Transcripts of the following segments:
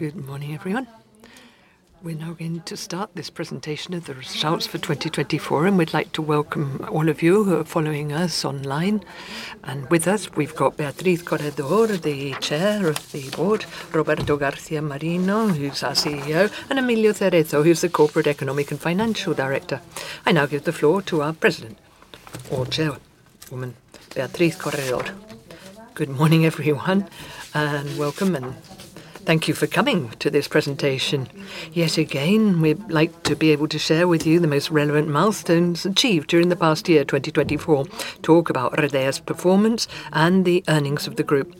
Good morning, everyone. We're now going to start this presentation of the results for 2024, and we'd like to welcome all of you who are following us online, and with us, we've got Beatriz Corredor, the Chair of the Board, Roberto García Merino, who's our CEO, and Emilio Cerezo, who's the Corporate Economic and Financial Director. I now give the floor to our President, or Chairwoman, Beatriz Corredor. Good morning, everyone, and welcome, and thank you for coming to this presentation. Yet again, we'd like to be able to share with you the most relevant milestones achieved during the past year, 2024. Talk about Redeia's performance and the earnings of the group.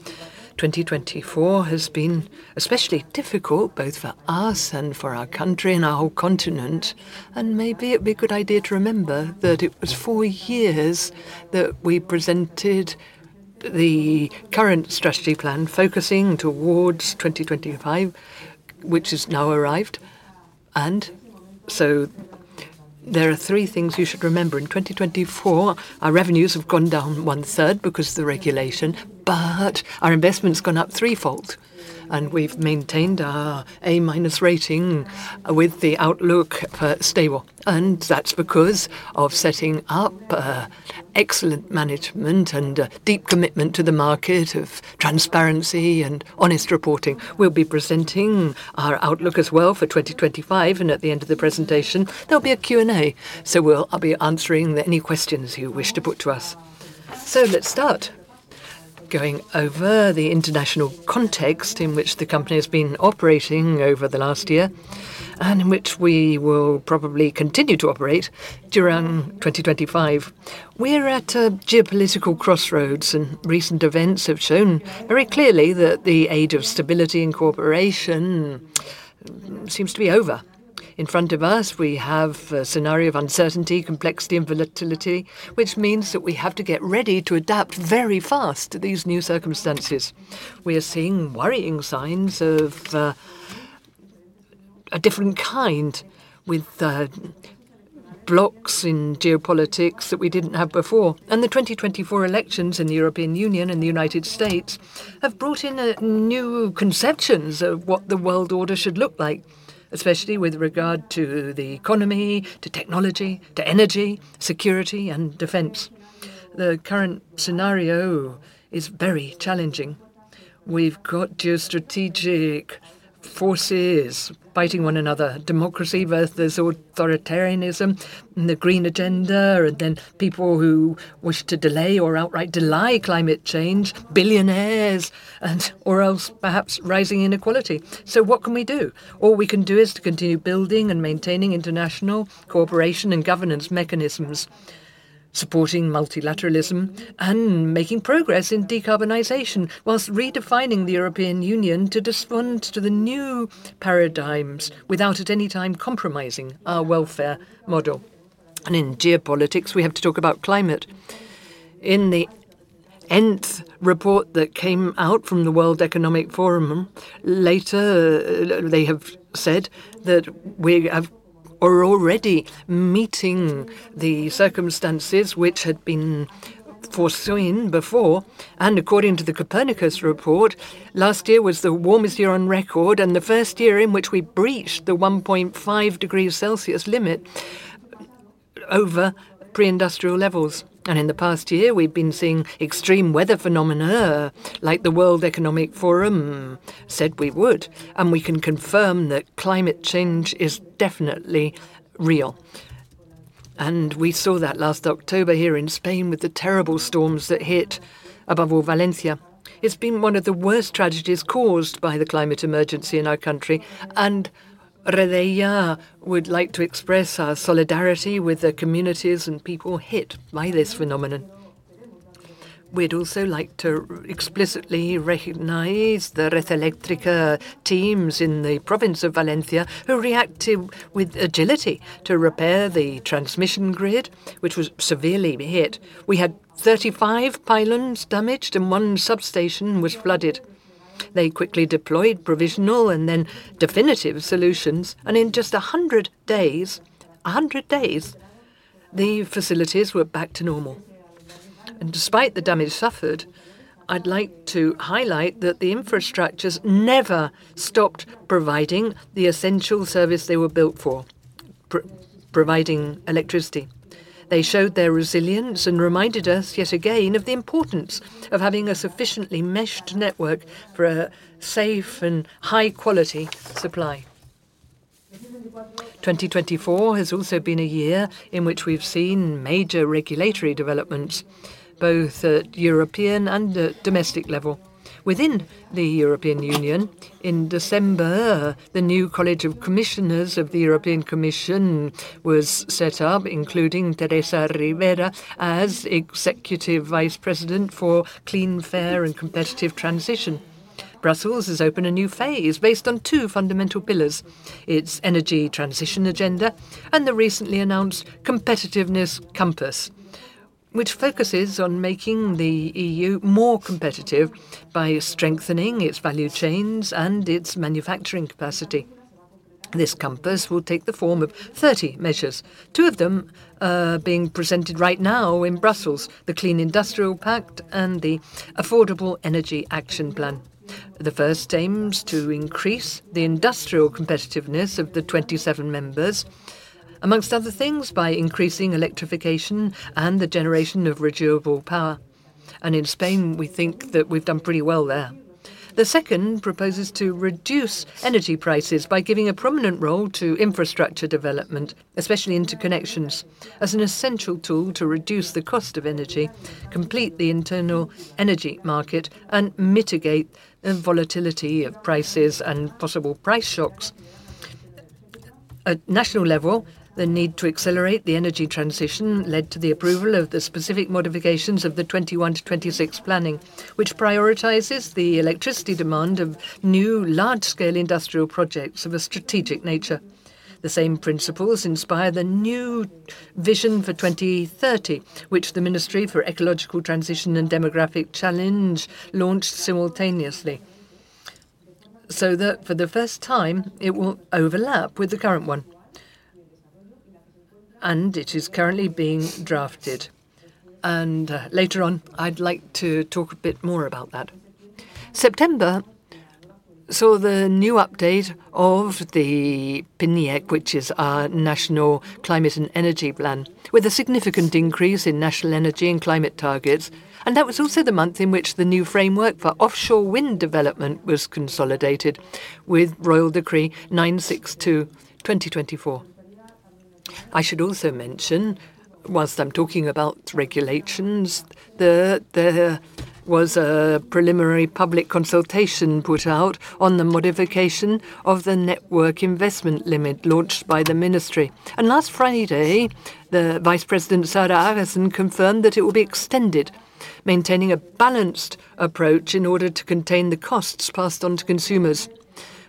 2024 has been especially difficult, both for us and for our country and our whole continent. Maybe it'd be a good idea to remember that it was four years that we presented the current strategy plan focusing towards 2025, which has now arrived. There are three things you should remember. In 2024, our revenues have gone down one-third because of the regulation, but our investment's gone up threefold, and we've maintained our A- rating with the outlook for stable. That's because of setting up excellent management and deep commitment to the market of transparency and honest reporting. We'll be presenting our outlook as well for 2025, and at the end of the presentation, there'll be a Q&A, so I'll be answering any questions you wish to put to us. Let's start going over the international context in which the company has been operating over the last year and in which we will probably continue to operate during 2025. We're at a geopolitical crossroads, and recent events have shown very clearly that the age of stability in cooperation seems to be over. In front of us, we have a scenario of uncertainty, complexity, and volatility, which means that we have to get ready to adapt very fast to these new circumstances. We are seeing worrying signs of a different kind with blocs in geopolitics that we didn't have before. And the 2024 elections in the European Union and the United States have brought in new conceptions of what the world order should look like, especially with regard to the economy, to technology, to energy, security, and defense. The current scenario is very challenging. We've got geostrategic forces fighting one another: democracy, versus authoritarianism, the green agenda, and then people who wish to delay or outright deny climate change, billionaires, and or else perhaps rising inequality. So what can we do? All we can do is to continue building and maintaining international cooperation and governance mechanisms, supporting multilateralism and making progress in decarbonization while redefining the European Union to respond to the new paradigms without at any time compromising our welfare model. And in geopolitics, we have to talk about climate. In the eighth report that came out from the World Economic Forum, later they have said that we are already meeting the circumstances which had been foreseen before. And according to the Copernicus report, last year was the warmest year on record and the first year in which we breached the 1.5 degrees Celsius limit over pre-industrial levels. And in the past year, we've been seeing extreme weather phenomena like the World Economic Forum said we would, and we can confirm that climate change is definitely real. And we saw that last October here in Spain with the terrible storms that hit above all Valencia. It's been one of the worst tragedies caused by the climate emergency in our country, and Redeia would like to express our solidarity with the communities and people hit by this phenomenon. We'd also like to explicitly recognize the Red Eléctrica teams in the province of Valencia who reacted with agility to repair the transmission grid, which was severely hit. We had 35 pylons damaged, and one substation was flooded. They quickly deployed provisional and then definitive solutions, and in just 100 days, 100 days, the facilities were back to normal. And despite the damage suffered, I'd like to highlight that the infrastructures never stopped providing the essential service they were built for, providing electricity. They showed their resilience and reminded us yet again of the importance of having a sufficiently meshed network for a safe and high-quality supply. 2024 has also been a year in which we've seen major regulatory developments, both at European and domestic level. Within the European Union, in December, the new college of commissioners of the European Commission was set up, including Teresa Ribera as Executive Vice President for Clean, Fair, and Competitive Transition. Brussels has opened a new phase based on two fundamental pillars: its energy transition agenda and the recently announced competitiveness compass, which focuses on making the EU more competitive by strengthening its value chains and its manufacturing capacity. This compass will take the form of 30 measures, two of them being presented right now in Brussels: the Clean Industrial Pact and the Affordable Energy Action Plan. The first aims to increase the industrial competitiveness of the 27 members, among other things, by increasing electrification and the generation of renewable power. In Spain, we think that we've done pretty well there. The second proposes to reduce energy prices by giving a prominent role to infrastructure development, especially interconnections, as an essential tool to reduce the cost of energy, complete the internal energy market, and mitigate the volatility of prices and possible price shocks. At national level, the need to accelerate the energy transition led to the approval of the specific modifications of the 21 to 26 planning, which prioritizes the electricity demand of new large-scale industrial projects of a strategic nature. The same principles inspire the new vision for 2030, which the Ministry for Ecological Transition and Demographic Challenge launched simultaneously, so that for the first time it will overlap with the current one. It is currently being drafted. Later on, I'd like to talk a bit more about that. September saw the new update of the PNIEC, which is our national climate and energy plan, with a significant increase in national energy and climate targets. That was also the month in which the new framework for offshore wind development was consolidated with Royal Decree 962/2024. I should also mention, while I'm talking about regulations, there was a preliminary public consultation put out on the modification of the network investment limit launched by the Ministry. Last Friday, the Vice President Sara Aagesen confirmed that it will be extended, maintaining a balanced approach in order to contain the costs passed on to consumers.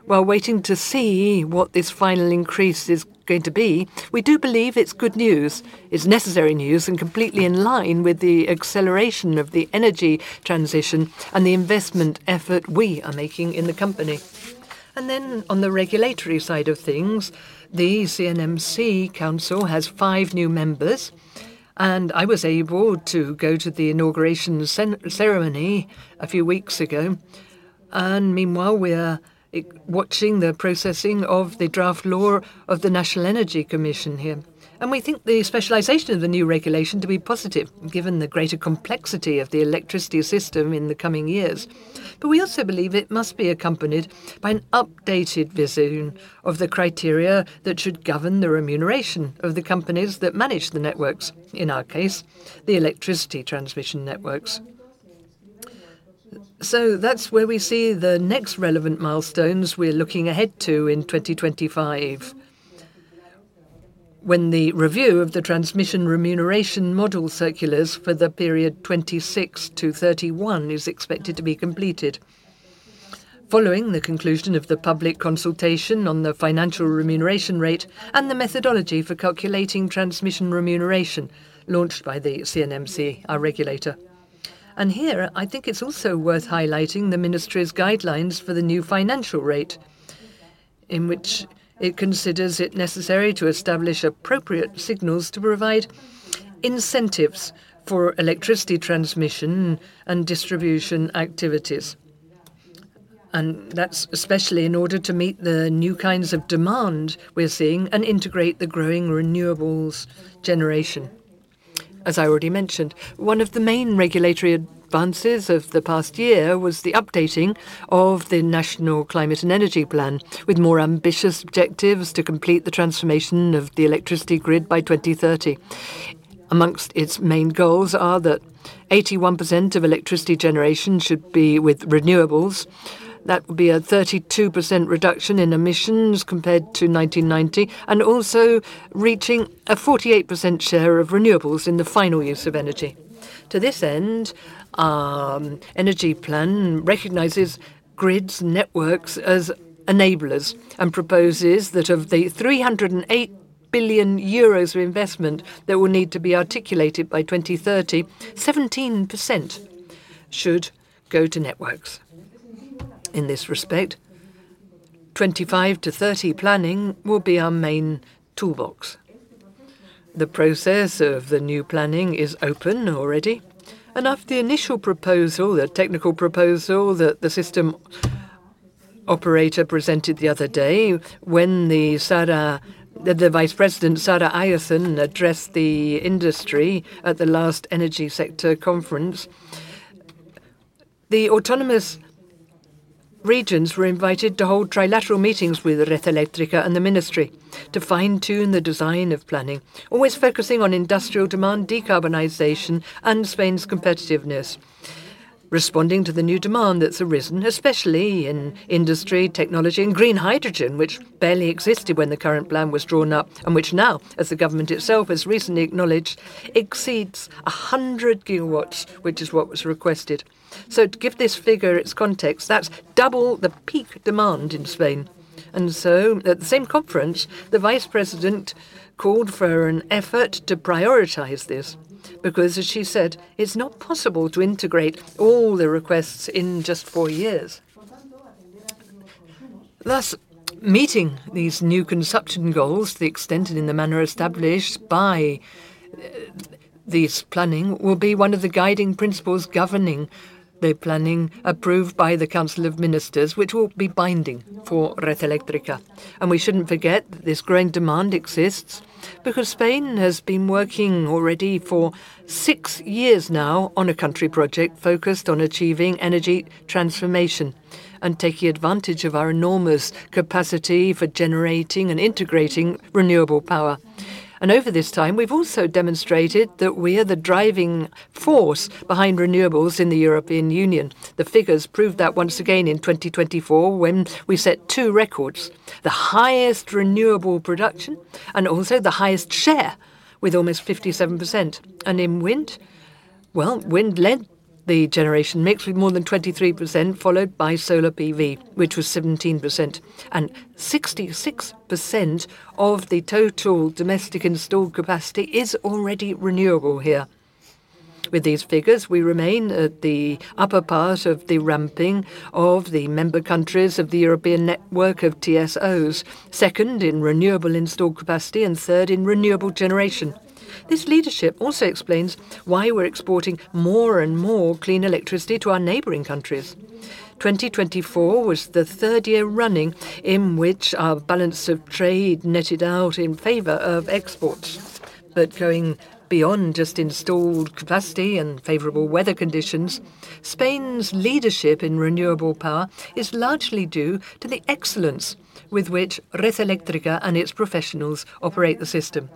While waiting to see what this final increase is going to be, we do believe it's good news, it's necessary news, and completely in line with the acceleration of the energy transition and the investment effort we are making in the company. And then on the regulatory side of things, the CNMC Council has five new members, and I was able to go to the inauguration ceremony a few weeks ago. And meanwhile, we are watching the processing of the draft law of the National Energy Commission here. And we think the specialization of the new regulation to be positive, given the greater complexity of the electricity system in the coming years. But we also believe it must be accompanied by an updated vision of the criteria that should govern the remuneration of the companies that manage the networks, in our case, the electricity transmission networks. So that's where we see the next relevant milestones we're looking ahead to in 2025, when the review of the transmission remuneration model circulars for the period 2026-2031 is expected to be completed, following the conclusion of the public consultation on the financial remuneration rate and the methodology for calculating transmission remuneration launched by the CNMC, our regulator. And here, I think it's also worth highlighting the Ministry's guidelines for the new financial rate, in which it considers it necessary to establish appropriate signals to provide incentives for electricity transmission and distribution activities. And that's especially in order to meet the new kinds of demand we're seeing and integrate the growing renewables generation. As I already mentioned, one of the main regulatory advances of the past year was the updating of the national climate and energy plan, with more ambitious objectives to complete the transformation of the electricity grid by 2030. Among its main goals are that 81% of electricity generation should be with renewables. That would be a 32% reduction in emissions compared to 1990, and also reaching a 48% share of renewables in the final use of energy. To this end, our energy plan recognizes grid networks as enablers and proposes that of the 308 billion euros of investment that will need to be articulated by 2030, 17% should go to networks. In this respect, 2025 to 2030 planning will be our main toolbox. The process of the new planning is open already. After the initial proposal, the technical proposal that the System Operator presented the other day, when the Vice President Sara Aagesen addressed the industry at the last energy sector conference, the autonomous regions were invited to hold trilateral meetings with Red Eléctrica and the Ministry to fine-tune the design of planning, always focusing on industrial demand, decarbonization, and Spain's competitiveness, responding to the new demand that's arisen, especially in industry, technology, and green hydrogen, which barely existed when the current plan was drawn up, and which now, as the government itself has recently acknowledged, exceeds 100 GW, which is what was requested. To give this figure its context, that's double the peak demand in Spain. At the same conference, the Vice President called for an effort to prioritize this because, as she said, it's not possible to integrate all the requests in just four years. Thus, meeting these new consumption goals, the extension in the manner established by this planning, will be one of the guiding principles governing the planning approved by the Council of Ministers, which will be binding for Red Eléctrica. And we shouldn't forget that this growing demand exists because Spain has been working already for six years now on a country project focused on achieving energy transformation and taking advantage of our enormous capacity for generating and integrating renewable power. And over this time, we've also demonstrated that we are the driving force behind renewables in the European Union. The figures proved that once again in 2024, when we set two records: the highest renewable production and also the highest share, with almost 57%. And in wind, well, wind led the generation mix with more than 23%, followed by solar PV, which was 17%. 66% of the total domestic installed capacity is already renewable here. With these figures, we remain at the upper part of the ramping of the member countries of the European network of TSOs, second in renewable installed capacity and third in renewable generation. This leadership also explains why we're exporting more and more clean electricity to our neighboring countries. 2024 was the third year running in which our balance of trade netted out in favor of exports. Going beyond just installed capacity and favorable weather conditions, Spain's leadership in renewable power is largely due to the excellence with which Red Eléctrica and its professionals operate the system.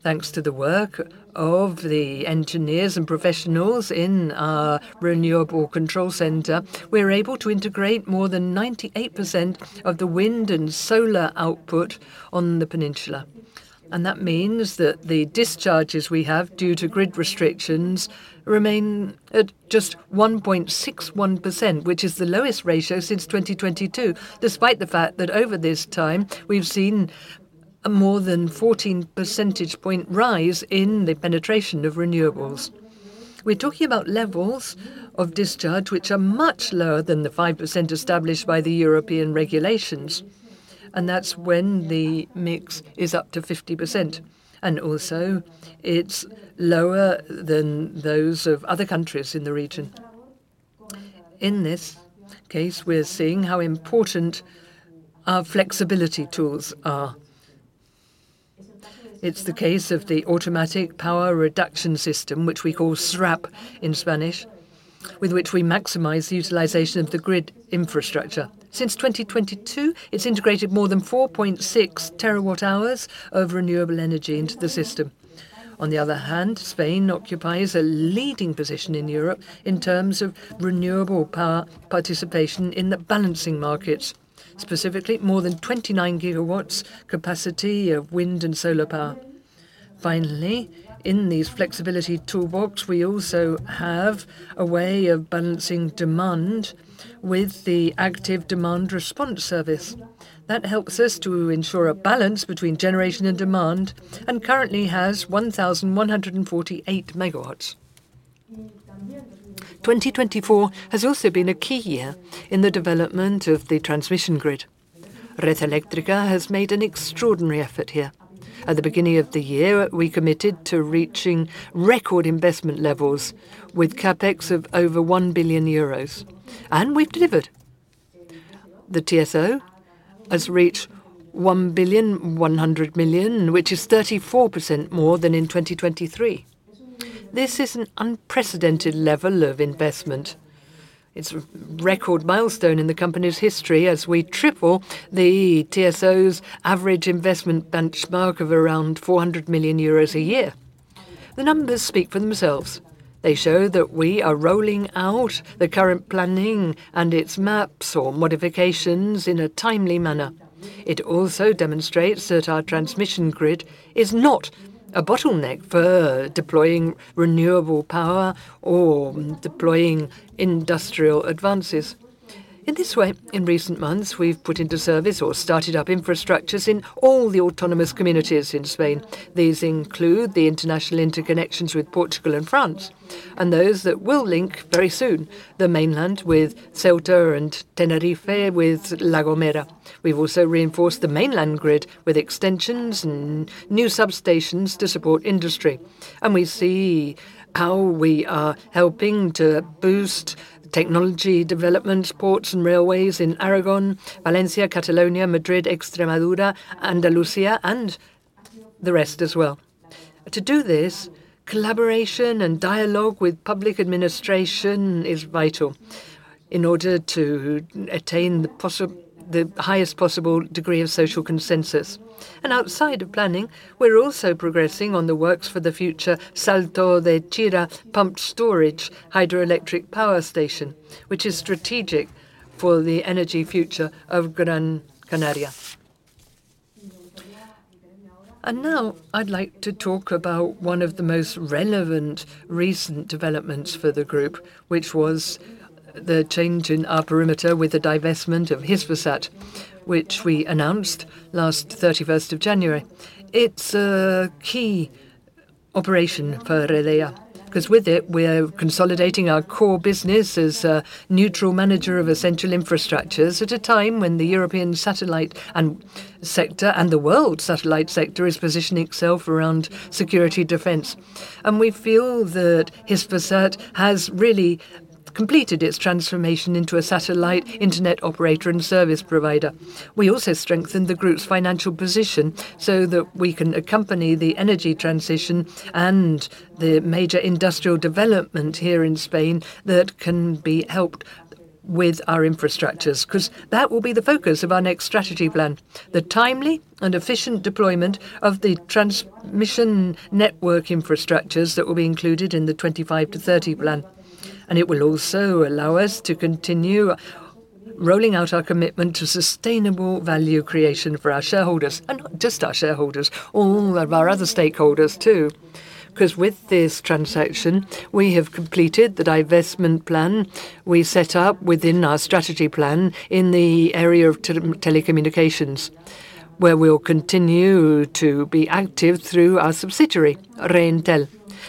Thanks to the work of the engineers and professionals in our Renewable Control Center, we're able to integrate more than 98% of the wind and solar output on the peninsula. And that means that the discharges we have due to grid restrictions remain at just 1.61%, which is the lowest ratio since 2022, despite the fact that over this time we've seen a more than 14 percentage point rise in the penetration of renewables. We're talking about levels of discharge which are much lower than the 5% established by the European regulations. And that's when the mix is up to 50%. And also, it's lower than those of other countries in the region. In this case, we're seeing how important our flexibility tools are. It's the case of the Automatic Power Reduction System, which we call SRAP in Spanish, with which we maximize the utilization of the grid infrastructure. Since 2022, it's integrated more than 4.6 terawatt hours of renewable energy into the system. On the other hand, Spain occupies a leading position in Europe in terms of renewable power participation in the balancing markets, specifically more than 29 GW capacity of wind and solar power. Finally, in these flexibility toolbox, we also have a way of balancing demand with the Active Demand Response Service. That helps us to ensure a balance between generation and demand and currently has 1,148 MW. 2024 has also been a key year in the development of the transmission grid. Red Eléctrica has made an extraordinary effort here. At the beginning of the year, we committed to reaching record investment levels with CapEx of over 1 billion euros, and we've delivered. The TSO has reached 1.1 billion, which is 34% more than in 2023. This is an unprecedented level of investment. It's a record milestone in the company's history as we triple the TSO's average investment benchmark of around 400 million euros a year. The numbers speak for themselves. They show that we are rolling out the current planning and its maps or modifications in a timely manner. It also demonstrates that our transmission grid is not a bottleneck for deploying renewable power or deploying industrial advances. In this way, in recent months, we've put into service or started up infrastructures in all the autonomous communities in Spain. These include the international interconnections with Portugal and France, and those that will link very soon the mainland with Ceuta and Tenerife with La Gomera. We've also reinforced the mainland grid with extensions and new substations to support industry. And we see how we are helping to boost technology development, ports and railways in Aragón, Valencia, Catalonia, Madrid, Extremadura, Andalusia, and the rest as well. To do this, collaboration and dialogue with public administration is vital in order to attain the highest possible degree of social consensus. And outside of planning, we're also progressing on the works for the future Salto de Chira pumped storage hydroelectric power station, which is strategic for the energy future of Gran Canaria. And now I'd like to talk about one of the most relevant recent developments for the group, which was the change in our perimeter with the divestment of Hispasat, which we announced last 31st of January. It's a key operation for Red Eléctrica because with it, we are consolidating our core business as a neutral manager of essential infrastructures at a time when the European satellite sector and the world satellite sector is positioning itself around security defense. We feel that Hispasat has really completed its transformation into a satellite internet operator and service provider. We also strengthened the group's financial position so that we can accompany the energy transition and the major industrial development here in Spain that can be helped with our infrastructures because that will be the focus of our next strategy plan, the timely and efficient deployment of the transmission network infrastructures that will be included in the 2025 to 2030 plan. It will also allow us to continue rolling out our commitment to sustainable value creation for our shareholders, and not just our shareholders, all of our other stakeholders too, because with this transaction, we have completed the divestment plan we set up within our strategy plan in the area of telecommunications, where we will continue to be active through our subsidiary, Reintel.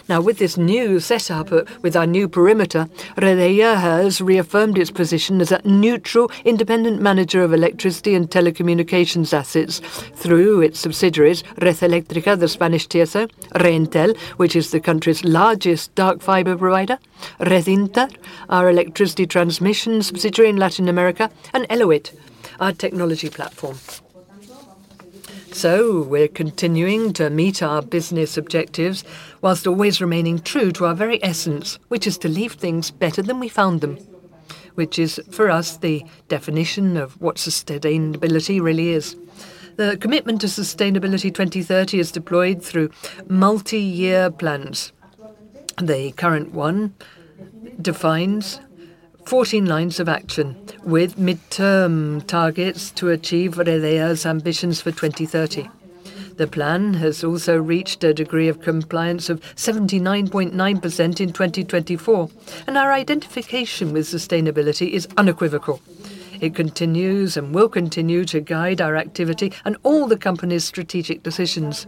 Now, with this new setup, with our new perimeter, Redeia has reaffirmed its position as a neutral independent manager of electricity and telecommunications assets through its subsidiaries, Red Eléctrica, the Spanish TSO, Reintel, which is the country's largest dark fiber provider, Redinter, our electricity transmission subsidiary in Latin America, and Elewit, our technology platform. We're continuing to meet our business objectives while always remaining true to our very essence, which is to leave things better than we found them, which is for us the definition of what sustainability really is. The commitment to sustainability 2030 is deployed through multi-year plans. The current one defines 14 lines of action with midterm targets to achieve Redeia's ambitions for 2030. The plan has also reached a degree of compliance of 79.9% in 2024, and our identification with sustainability is unequivocal. It continues and will continue to guide our activity and all the company's strategic decisions.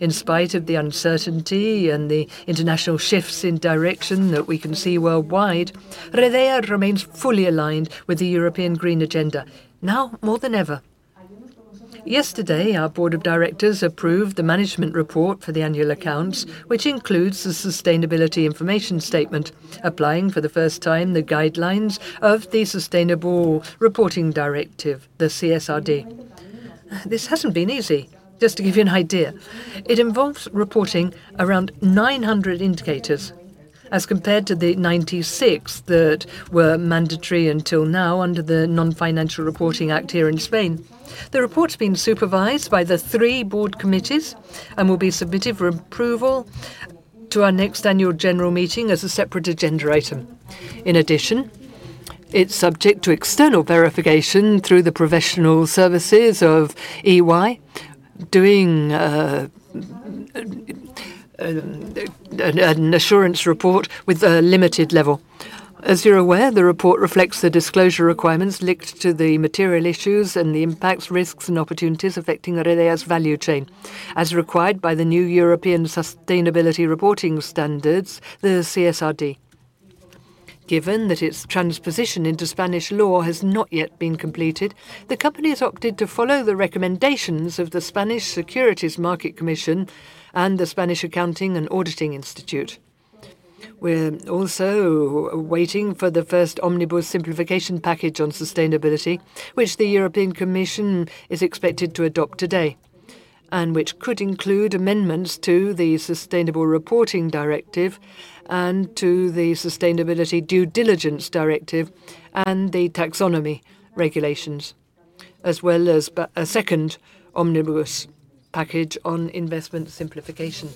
In spite of the uncertainty and the international shifts in direction that we can see worldwide, Redeia remains fully aligned with the European Green Agenda, now more than ever. Yesterday, our board of directors approved the management report for the annual accounts, which includes the sustainability information statement, applying for the first time the guidelines of the Corporate Sustainability Reporting Directive, the CSRD. This hasn't been easy, just to give you an idea. It involves reporting around 900 indicators, as compared to the 96 that were mandatory until now under the Non-Financial Reporting Act here in Spain. The report's been supervised by the three board committees and will be submitted for approval to our next annual general meeting as a separate agenda item. In addition, it's subject to external verification through the professional services of EY, doing an assurance report with a limited level. As you're aware, the report reflects the disclosure requirements linked to the material issues and the impacts, risks, and opportunities affecting Redeia's value chain, as required by the new European Sustainability Reporting Standards, the CSRD. Given that its transposition into Spanish law has not yet been completed, the company has opted to follow the recommendations of the Spanish Securities Market Commission and the Spanish Accounting and Auditing Institute. We're also waiting for the first omnibus simplification package on sustainability, which the European Commission is expected to adopt today, and which could include amendments to the Sustainable Reporting Directive and to the Sustainability Due Diligence Directive and the Taxonomy Regulations, as well as a second omnibus package on investment simplification.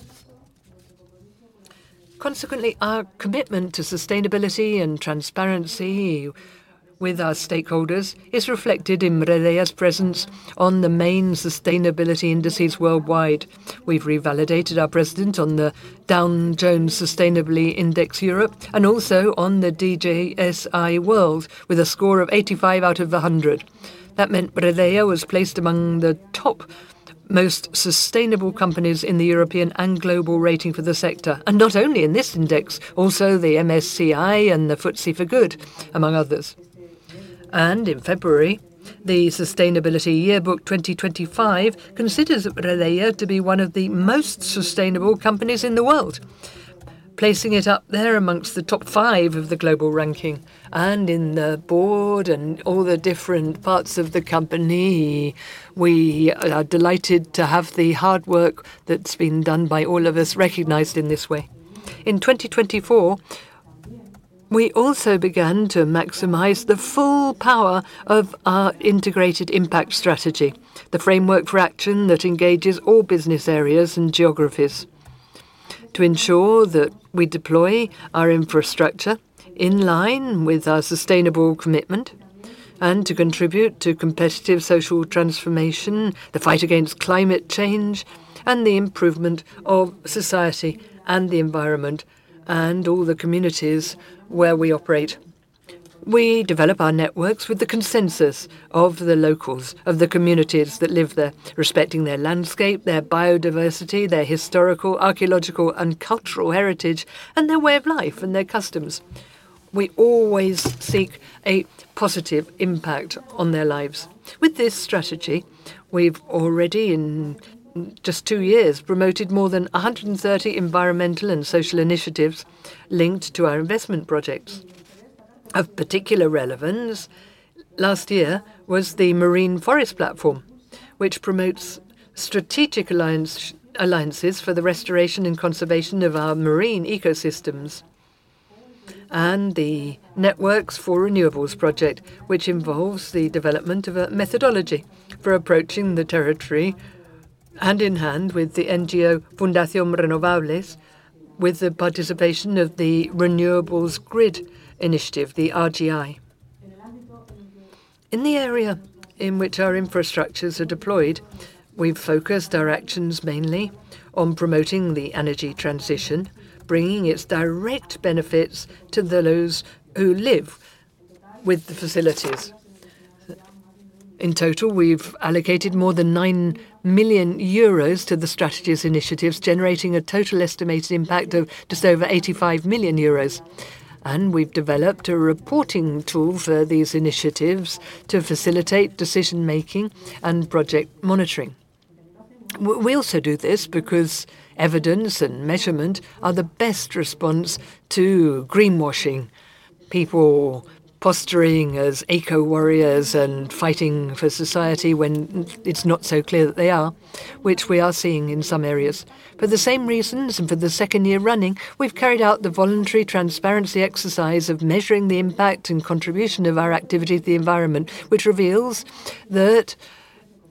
Consequently, our commitment to sustainability and transparency with our stakeholders is reflected in Redeia's presence on the main sustainability indices worldwide. We've revalidated our presence on the Dow Jones Sustainability Index Europe and also on the DJSI World with a score of 85 out of 100. That meant Redeia was placed among the top most sustainable companies in the European and global rating for the sector. And not only in this index, also the MSCI and the FTSE4Good, among others. And in February, the Sustainability Yearbook 2025 considers Redeia to be one of the most sustainable companies in the world, placing it up there amongst the top five of the global ranking. And in the board and all the different parts of the company, we are delighted to have the hard work that's been done by all of us recognized in this way. In 2024, we also began to maximize the full power of our integrated impact strategy, the framework for action that engages all business areas and geographies, to ensure that we deploy our infrastructure in line with our sustainable commitment and to contribute to competitive social transformation, the fight against climate change, and the improvement of society and the environment and all the communities where we operate. We develop our networks with the consensus of the locals, of the communities that live there, respecting their landscape, their biodiversity, their historical, archaeological, and cultural heritage, and their way of life and their customs. We always seek a positive impact on their lives. With this strategy, we've already, in just two years, promoted more than 130 environmental and social initiatives linked to our investment projects of particular relevance. Last year was the Marine Forest Platform, which promotes strategic alliances for the restoration and conservation of our marine ecosystems, and the Networks for Renewables project, which involves the development of a methodology for approaching the territory hand in hand with the NGO Fundación Renovables, with the participation of the Renewables Grid Initiative, the RGI. In the area in which our infrastructures are deployed, we've focused our actions mainly on promoting the energy transition, bringing its direct benefits to those who live with the facilities. In total, we've allocated more than 9 million euros to the strategic initiatives, generating a total estimated impact of just over 85 million euros. And we've developed a reporting tool for these initiatives to facilitate decision-making and project monitoring. We also do this because evidence and measurement are the best response to greenwashing, people posturing as eco-warriors and fighting for society when it's not so clear that they are, which we are seeing in some areas. For the same reasons, and for the second year running, we've carried out the voluntary transparency exercise of measuring the impact and contribution of our activity to the environment, which reveals that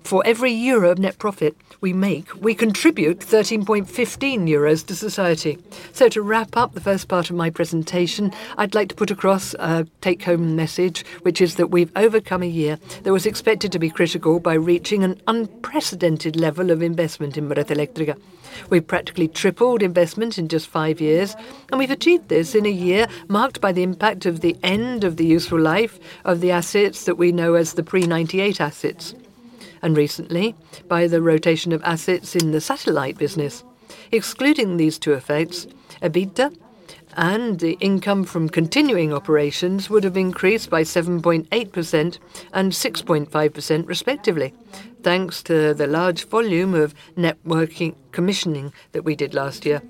for every euro of net profit we make, we contribute 13.15 euros to society. So to wrap up the first part of my presentation, I'd like to put across a take-home message, which is that we've overcome a year that was expected to be critical by reaching an unprecedented level of investment in Red Eléctrica. We've practically tripled investment in just five years, and we've achieved this in a year marked by the impact of the end of the useful life of the assets that we know as the pre-98 assets, and recently by the rotation of assets in the satellite business. Excluding these two effects, EBITDA and the income from continuing operations would have increased by 7.8% and 6.5% respectively, thanks to the large volume of networking commissioning that we did last year.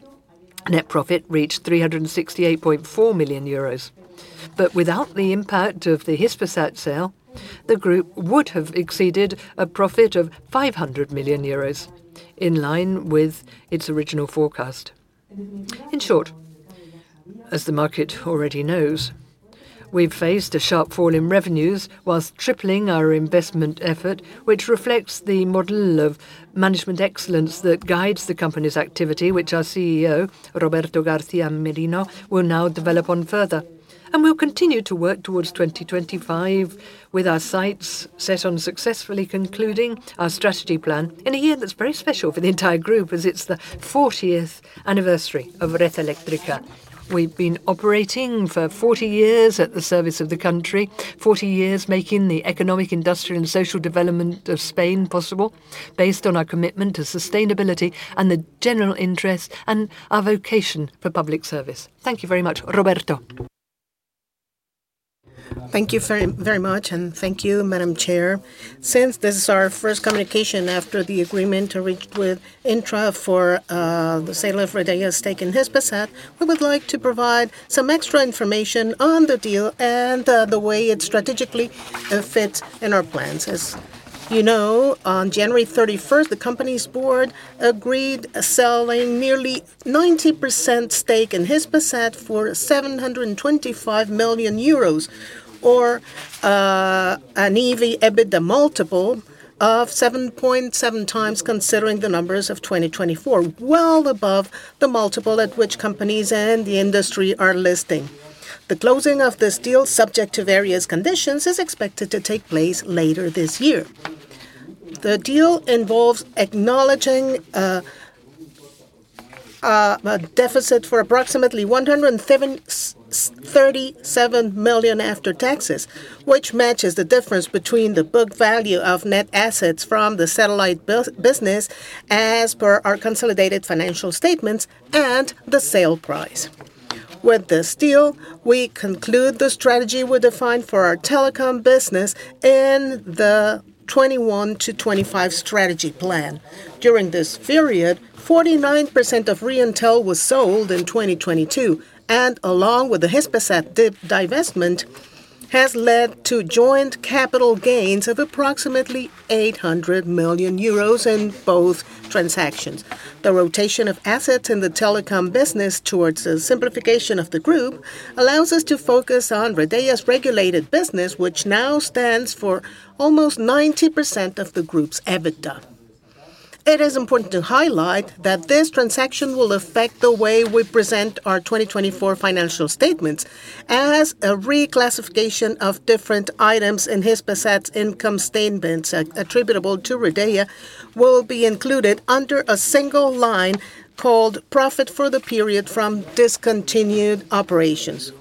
Net profit reached 368.4 million euros. But without the impact of the Hispasat sale, the group would have exceeded a profit of 500 million euros, in line with its original forecast. In short, as the market already knows, we've faced a sharp fall in revenues while tripling our investment effort, which reflects the model of management excellence that guides the company's activity, which our CEO, Roberto García Merino, will now develop on further. And we'll continue to work towards 2025 with our sights set on successfully concluding our strategy plan in a year that's very special for the entire group, as it's the 40th anniversary of Red Eléctrica. We've been operating for 40 years at the service of the country, 40 years making the economic, industrial, and social development of Spain possible based on our commitment to sustainability and the general interest and our vocation for public service. Thank you very much, Roberto. Thank you very much, and thank you, Madam Chair. Since this is our first communication after the agreement reached with Indra for the sale of Red Eléctrica and Hispasat, we would like to provide some extra information on the deal and the way it strategically fits in our plans. As you know, on January 31st, the company's board agreed to sell a nearly 90% stake in Hispasat for 725 million euros, or an EV/EBITDA multiple of 7.7x, considering the numbers of 2024, well above the multiple at which companies and the industry are listing. The closing of this deal, subject to various conditions, is expected to take place later this year. The deal involves acknowledging a deficit for approximately 137 million after taxes, which matches the difference between the book value of net assets from the satellite business, as per our consolidated financial statements, and the sale price. With this deal, we conclude the strategy we defined for our telecom business in the 2021 to 2025 strategy plan. During this period, 49% of Reintel was sold in 2022, and along with the Hispasat divestment, has led to joint capital gains of approximately 800 million euros in both transactions. The rotation of assets in the telecom business towards the simplification of the group allows us to focus on Redeia's regulated business, which now stands for almost 90% of the group's EBITDA. It is important to highlight that this transaction will affect the way we present our 2024 financial statements, as a reclassification of different items in Hispasat's income statements attributable to Redeia will be included under a single line called profit for the period from discontinued operations,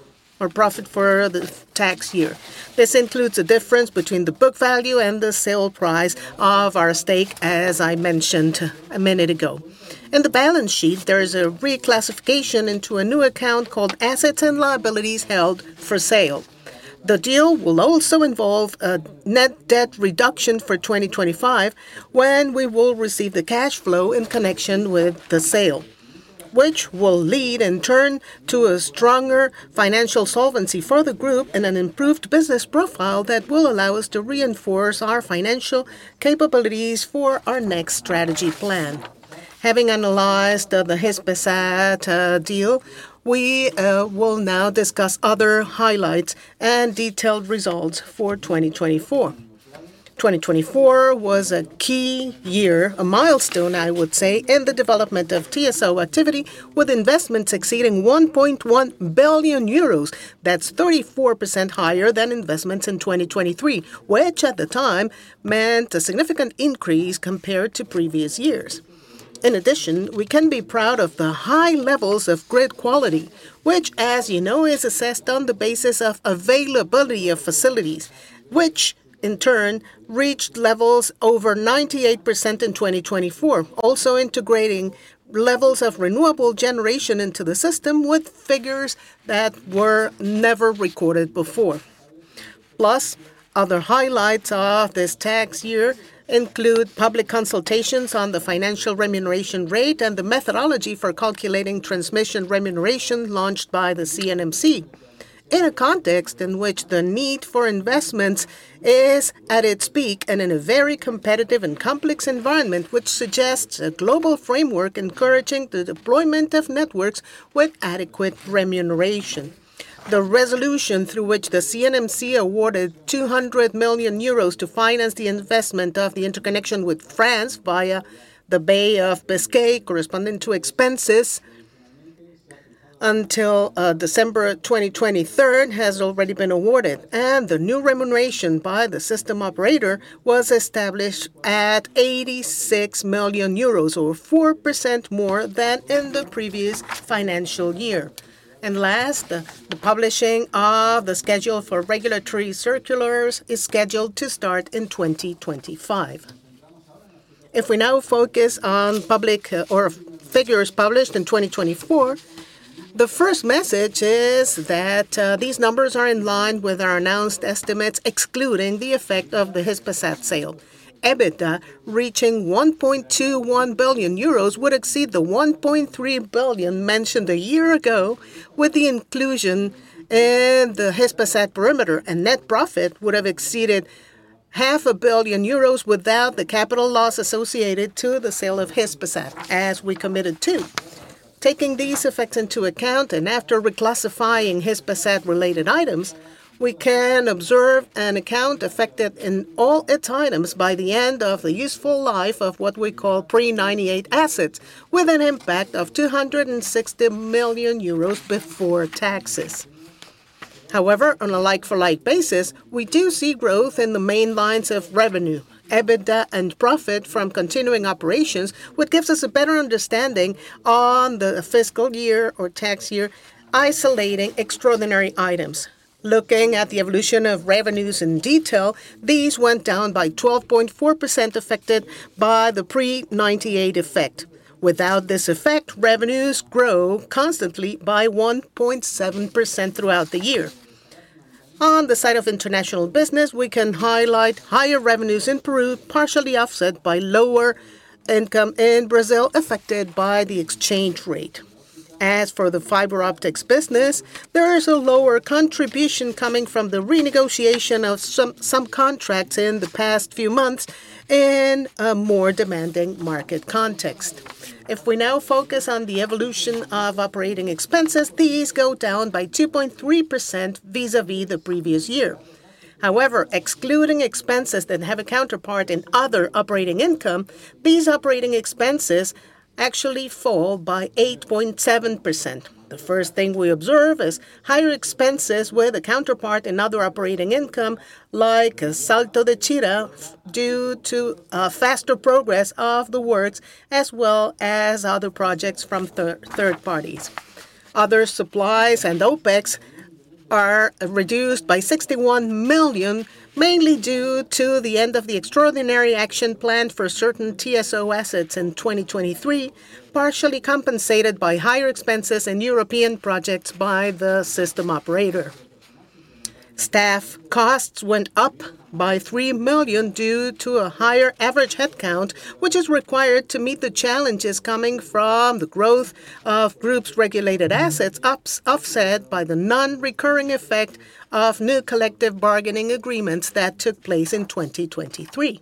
or profit for the tax year. This includes a difference between the book value and the sale price of our stake, as I mentioned a minute ago. In the balance sheet, there is a reclassification into a new account called assets and liabilities held for sale. The deal will also involve a net debt reduction for 2025, when we will receive the cash flow in connection with the sale, which will lead, in turn, to a stronger financial solvency for the group and an improved business profile that will allow us to reinforce our financial capabilities for our next strategy plan. Having analyzed the Hispasat deal, we will now discuss other highlights and detailed results for 2024. 2024 was a key year, a milestone, I would say, in the development of TSO activity, with investments exceeding 1.1 billion euros. That's 34% higher than investments in 2023, which at the time meant a significant increase compared to previous years. In addition, we can be proud of the high levels of grid quality, which, as you know, is assessed on the basis of availability of facilities, which, in turn, reached levels over 98% in 2024, also integrating levels of renewable generation into the system with figures that were never recorded before. Plus, other highlights of this fiscal year include public consultations on the financial remuneration rate and the methodology for calculating transmission remuneration launched by the CNMC, in a context in which the need for investments is at its peak and in a very competitive and complex environment, which suggests a global framework encouraging the deployment of networks with adequate remuneration. The resolution through which the CNMC awarded 200 million euros to finance the investment of the interconnection with France via the Bay of Biscay corresponding to expenses until December 2023 has already been awarded, and the new remuneration by the System Operator was established at 86 million euros, or 4% more than in the previous financial year. Last, the publishing of the schedule for regulatory circulars is scheduled to start in 2025. If we now focus on public figures published in 2024, the first message is that these numbers are in line with our announced estimates, excluding the effect of the Hispasat sale. EBITDA reaching 1.21 billion euros would exceed the 1.3 billion mentioned a year ago, with the inclusion in the Hispasat perimeter. Net profit would have exceeded 500 million euros without the capital loss associated to the sale of Hispasat, as we committed to. Taking these effects into account, and after reclassifying Hispasat-related items, we can observe an account affected in all its items by the end of the useful life of what we call pre-98 assets, with an impact of 260 million euros before taxes. However, on a like-for-like basis, we do see growth in the main lines of revenue, EBITDA, and profit from continuing operations, which gives us a better understanding on the fiscal year or tax year isolating extraordinary items. Looking at the evolution of revenues in detail, these went down by 12.4% affected by the pre-98 effect. Without this effect, revenues grow constantly by 1.7% throughout the year. On the side of international business, we can highlight higher revenues in Peru, partially offset by lower income in Brazil affected by the exchange rate. As for the fiber optics business, there is a lower contribution coming from the renegotiation of some contracts in the past few months in a more demanding market context. If we now focus on the evolution of operating expenses, these go down by 2.3% vis-à-vis the previous year. However, excluding expenses that have a counterpart in other operating income, these operating expenses actually fall by 8.7%. The first thing we observe is higher expenses with a counterpart in other operating income, like a Salto de Chira, due to faster progress of the works, as well as other projects from third parties. Other supplies and OpEx are reduced by 61 million, mainly due to the end of the extraordinary action planned for certain TSO assets in 2023, partially compensated by higher expenses in European projects by the System Operator. Staff costs went up by 3 million due to a higher average headcount, which is required to meet the challenges coming from the growth of groups' regulated assets, offset by the non-recurring effect of new collective bargaining agreements that took place in 2023.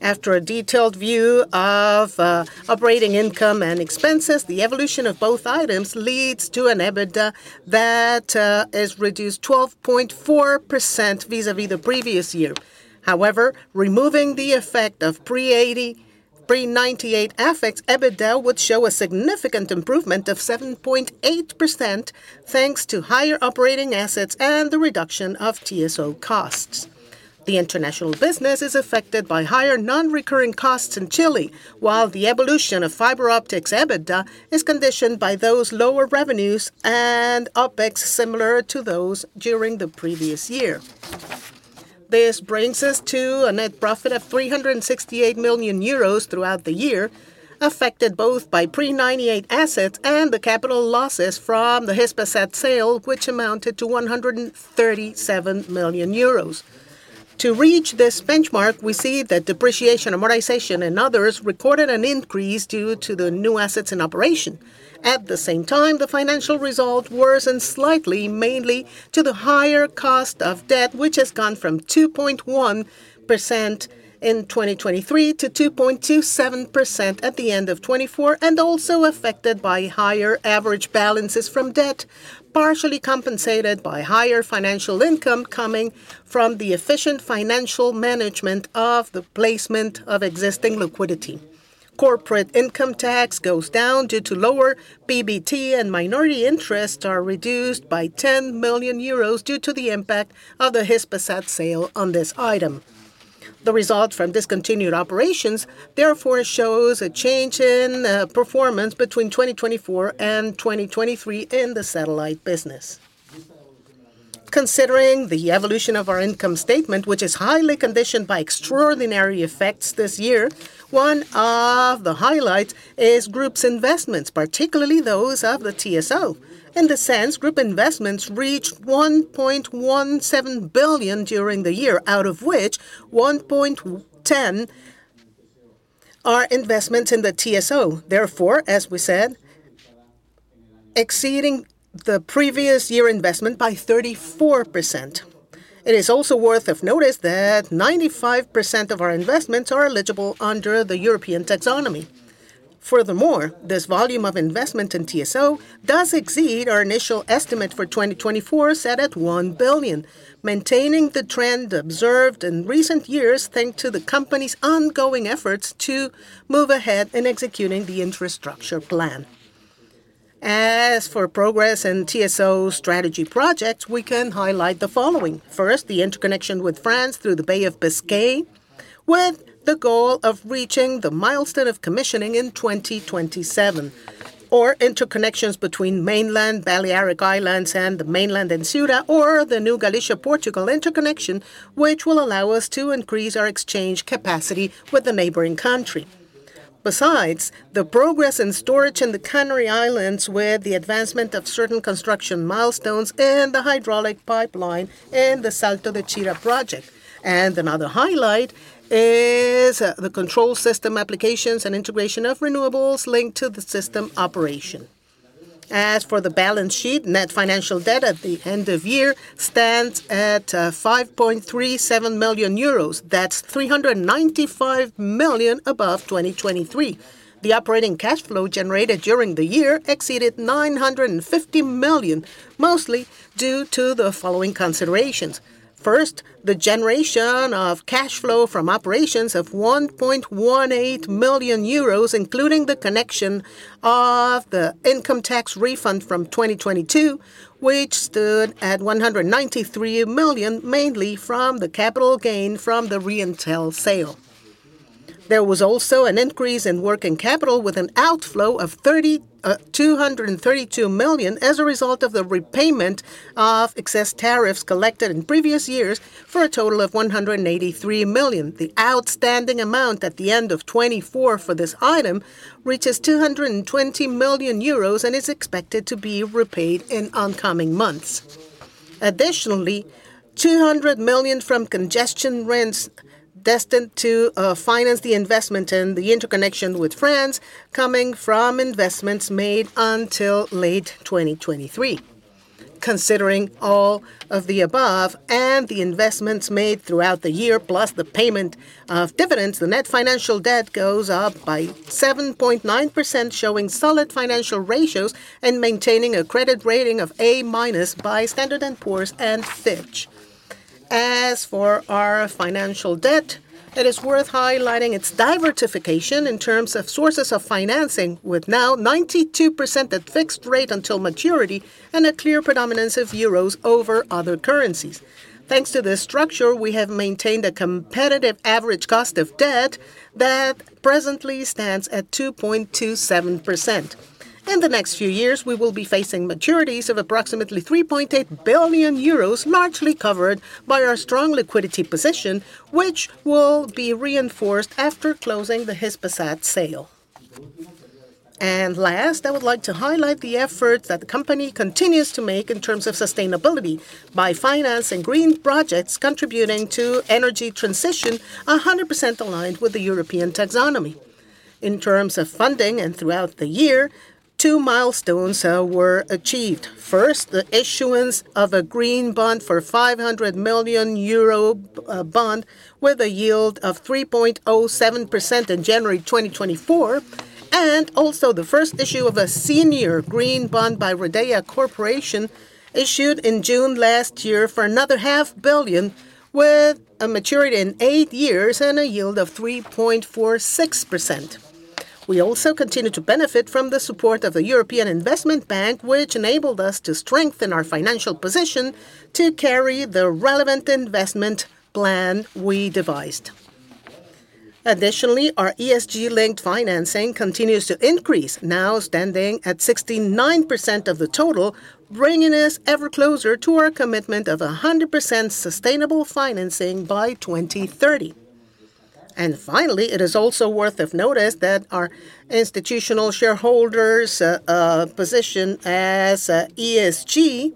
After a detailed view of operating income and expenses, the evolution of both items leads to an EBITDA that is reduced 12.4% vis-à-vis the previous year. However, removing the effect of pre-98 effects, EBITDA would show a significant improvement of 7.8%, thanks to higher operating assets and the reduction of TSO costs. The international business is affected by higher non-recurring costs in Chile, while the evolution of fiber optics EBITDA is conditioned by those lower revenues and OpEx similar to those during the previous year. This brings us to a net profit of 368 million euros throughout the year, affected both by pre-98 assets and the capital losses from the Hispasat sale, which amounted to 137 million euros. To reach this benchmark, we see that depreciation, amortization, and others recorded an increase due to the new assets in operation. At the same time, the financial result worsened slightly, mainly to the higher cost of debt, which has gone from 2.1% in 2023 to 2.27% at the end of 2024, and also affected by higher average balances from debt, partially compensated by higher financial income coming from the efficient financial management of the placement of existing liquidity. Corporate income tax goes down due to lower PBT, and minority interests are reduced by 10 million euros due to the impact of the Hispasat sale on this item. The result from discontinued operations, therefore, shows a change in performance between 2024 and 2023 in the satellite business. Considering the evolution of our income statement, which is highly conditioned by extraordinary effects this year, one of the highlights is group's investments, particularly those of the TSO. In the sense, group investments reached 1.17 billion during the year, out of which 1.10 billion are investments in the TSO, therefore, as we said, exceeding the previous year investment by 34%. It is also worth of notice that 95% of our investments are eligible under the European taxonomy. Furthermore, this volume of investment in TSO does exceed our initial estimate for 2024 set at 1 billion, maintaining the trend observed in recent years thanks to the company's ongoing efforts to move ahead in executing the infrastructure plan. As for progress in TSO strategy projects, we can highlight the following. First, the interconnection with France through the Bay of Biscay, with the goal of reaching the milestone of commissioning in 2027, or interconnections between mainland Balearic Islands and the mainland in Ceuta, or the new Galicia-Portugal interconnection, which will allow us to increase our exchange capacity with the neighboring country. Besides, the progress in storage in the Canary Islands, with the advancement of certain construction milestones in the hydraulic pipeline in the Salto de Chira project. Another highlight is the control system applications and integration of renewables linked to the system operation. As for the balance sheet, net financial debt at the end of year stands at 5.37 million euros. That's 395 million above 2023. The operating cash flow generated during the year exceeded 950 million, mostly due to the following considerations. First, the generation of cash flow from operations of 1.18 million euros, including the connection of the income tax refund from 2022, which stood at 193 million, mainly from the capital gain from the Reintel sale. There was also an increase in working capital, with an outflow of 232 million as a result of the repayment of excess tariffs collected in previous years for a total of 183 million. The outstanding amount at the end of 2024 for this item reaches 220 million euros and is expected to be repaid in oncoming months. Additionally, 200 million from congestion rents destined to finance the investment in the interconnection with France coming from investments made until late 2023. Considering all of the above and the investments made throughout the year, plus the payment of dividends, the net financial debt goes up by 7.9%, showing solid financial ratios and maintaining a credit rating of A- by Standard & Poor's and Fitch. As for our financial debt, it is worth highlighting its diversification in terms of sources of financing, with now 92% at fixed rate until maturity and a clear predominance of euros over other currencies. Thanks to this structure, we have maintained a competitive average cost of debt that presently stands at 2.27%. In the next few years, we will be facing maturities of approximately 3.8 billion euros, largely covered by our strong liquidity position, which will be reinforced after closing the Hispasat sale. Last, I would like to highlight the efforts that the company continues to make in terms of sustainability by financing green projects, contributing to energy transition 100% aligned with the European taxonomy. In terms of funding and throughout the year, two milestones were achieved. First, the issuance of a green bond for 500 million euro with a yield of 3.07% in January 2024, and also the first issue of a senior green bond by Redeia Corporación, issued in June last year for another 500 million, with a maturity in eight years and a yield of 3.46%. We also continue to benefit from the support of the European Investment Bank, which enabled us to strengthen our financial position to carry the relevant investment plan we devised. Additionally, our ESG-linked financing continues to increase, now standing at 69% of the total, bringing us ever closer to our commitment of 100% sustainable financing by 2030. And finally, it is also worth of notice that our institutional shareholders' position as ESG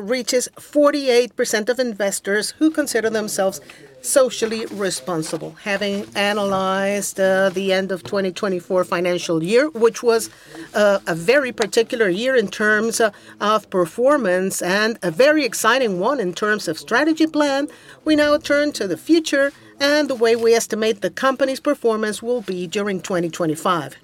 reaches 48% of investors who consider themselves socially responsible. Having analyzed the end of 2024 financial year, which was a very particular year in terms of performance and a very exciting one in terms of strategy plan, we now turn to the future and the way we estimate the company's performance will be during 2025.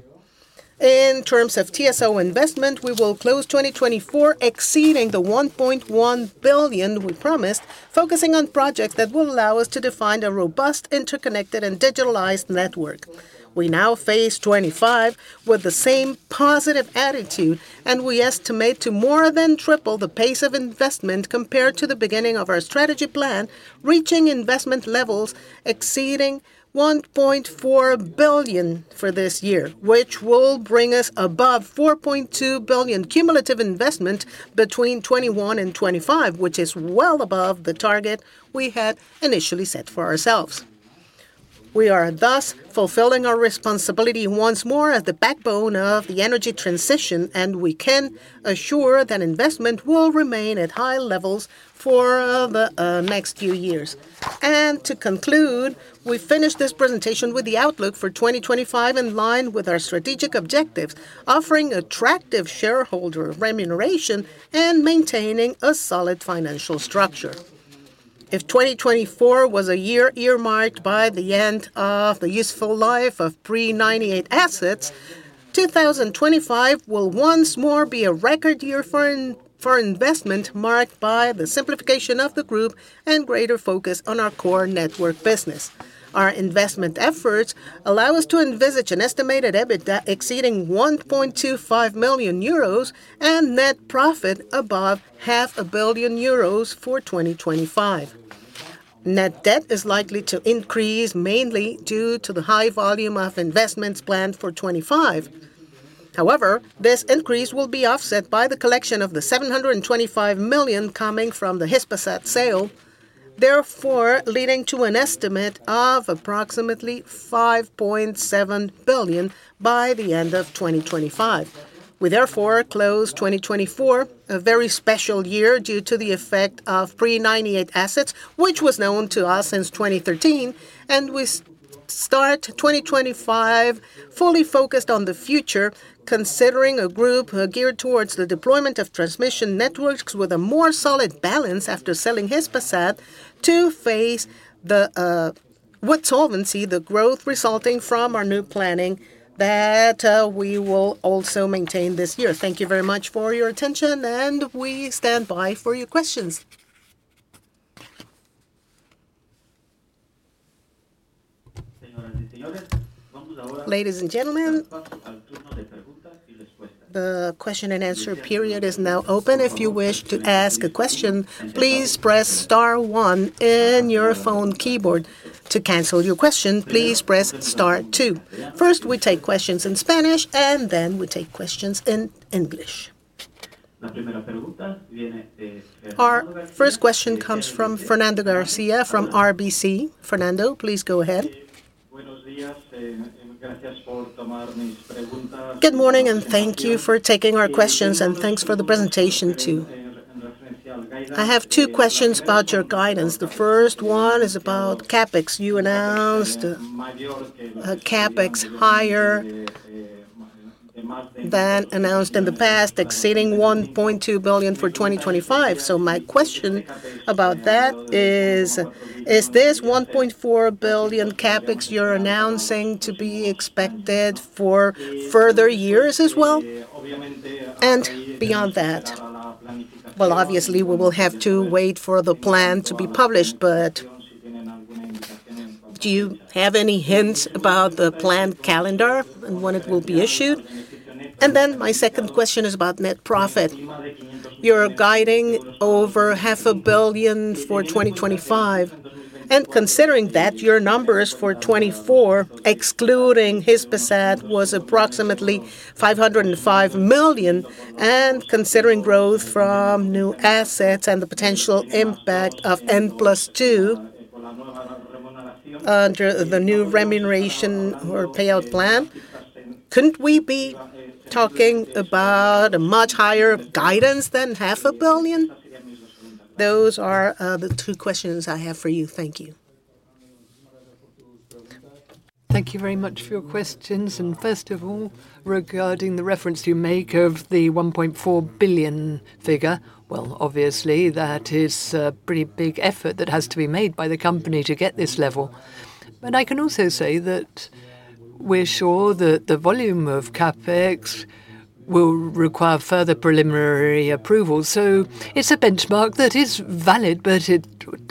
In terms of TSO investment, we will close 2024 exceeding the 1.1 billion we promised, focusing on projects that will allow us to define a robust interconnected and digitalized network. We now face 2025 with the same positive attitude, and we estimate to more than triple the pace of investment compared to the beginning of our strategy plan, reaching investment levels exceeding 1.4 billion for this year, which will bring us above 4.2 billion cumulative investment between 2021 and 2025, which is well above the target we had initially set for ourselves. We are thus fulfilling our responsibility once more as the backbone of the energy transition, and we can assure that investment will remain at high levels for the next few years. And to conclude, we finish this presentation with the outlook for 2025 in line with our strategic objectives, offering attractive shareholder remuneration and maintaining a solid financial structure. If 2024 was a year earmarked by the end of the useful life of pre-98 assets, 2025 will once more be a record year for investment marked by the simplification of the group and greater focus on our core network business. Our investment efforts allow us to envisage an estimated EBITDA exceeding 1.25 billion euros and net profit above 500 million euros for 2025. Net debt is likely to increase mainly due to the high volume of investments planned for 2025. However, this increase will be offset by the collection of the 725 million coming from the Hispasat sale, therefore leading to an estimate of approximately 5.7 billion by the end of 2025. We therefore close 2024, a very special year due to the effect of pre-98 assets, which was known to us since 2013, and we start 2025 fully focused on the future, considering a group geared towards the deployment of transmission networks with a more solid balance after selling Hispasat to face the with solvency the growth resulting from our new planning that we will also maintain this year. Thank you very much for your attention, and we stand by for your questions. Ladies and gentlemen, the question and answer period is now open. If you wish to ask a question, please press star one in your phone keyboard. To cancel your question, please press star two. First, we take questions in Spanish, and then we take questions in English. Our first question comes from Fernando García from RBC. Fernando, please go ahead. Good morning, and thank you for taking our questions, and thanks for the presentation too. I have two questions about your guidance. The first one is about CapEx. You announced CapEx higher than announced in the past, exceeding 1.2 billion for 2025. So my question about that is, is this 1.4 billion CapEx you're announcing to be expected for further years as well? And beyond that? Well, obviously, we will have to wait for the plan to be published, but do you have any hints about the planned calendar and when it will be issued? And then my second question is about net profit. You're guiding over 500 million for 2025, and considering that your numbers for 2024, excluding Hispasat, was approximately 505 million, and considering growth from new assets and the potential impact of N plus 2 under the new remuneration or payout plan, couldn't we be talking about a much higher guidance than half a billion? Those are the two questions I have for you. Thank you. Thank you very much for your questions, and first of all, regarding the reference you make of the 1.4 billion figure, well, obviously, that is a pretty big effort that has to be made by the company to get this level. But I can also say that we're sure that the volume of CapEx will require further preliminary approvals, so it's a benchmark that is valid, but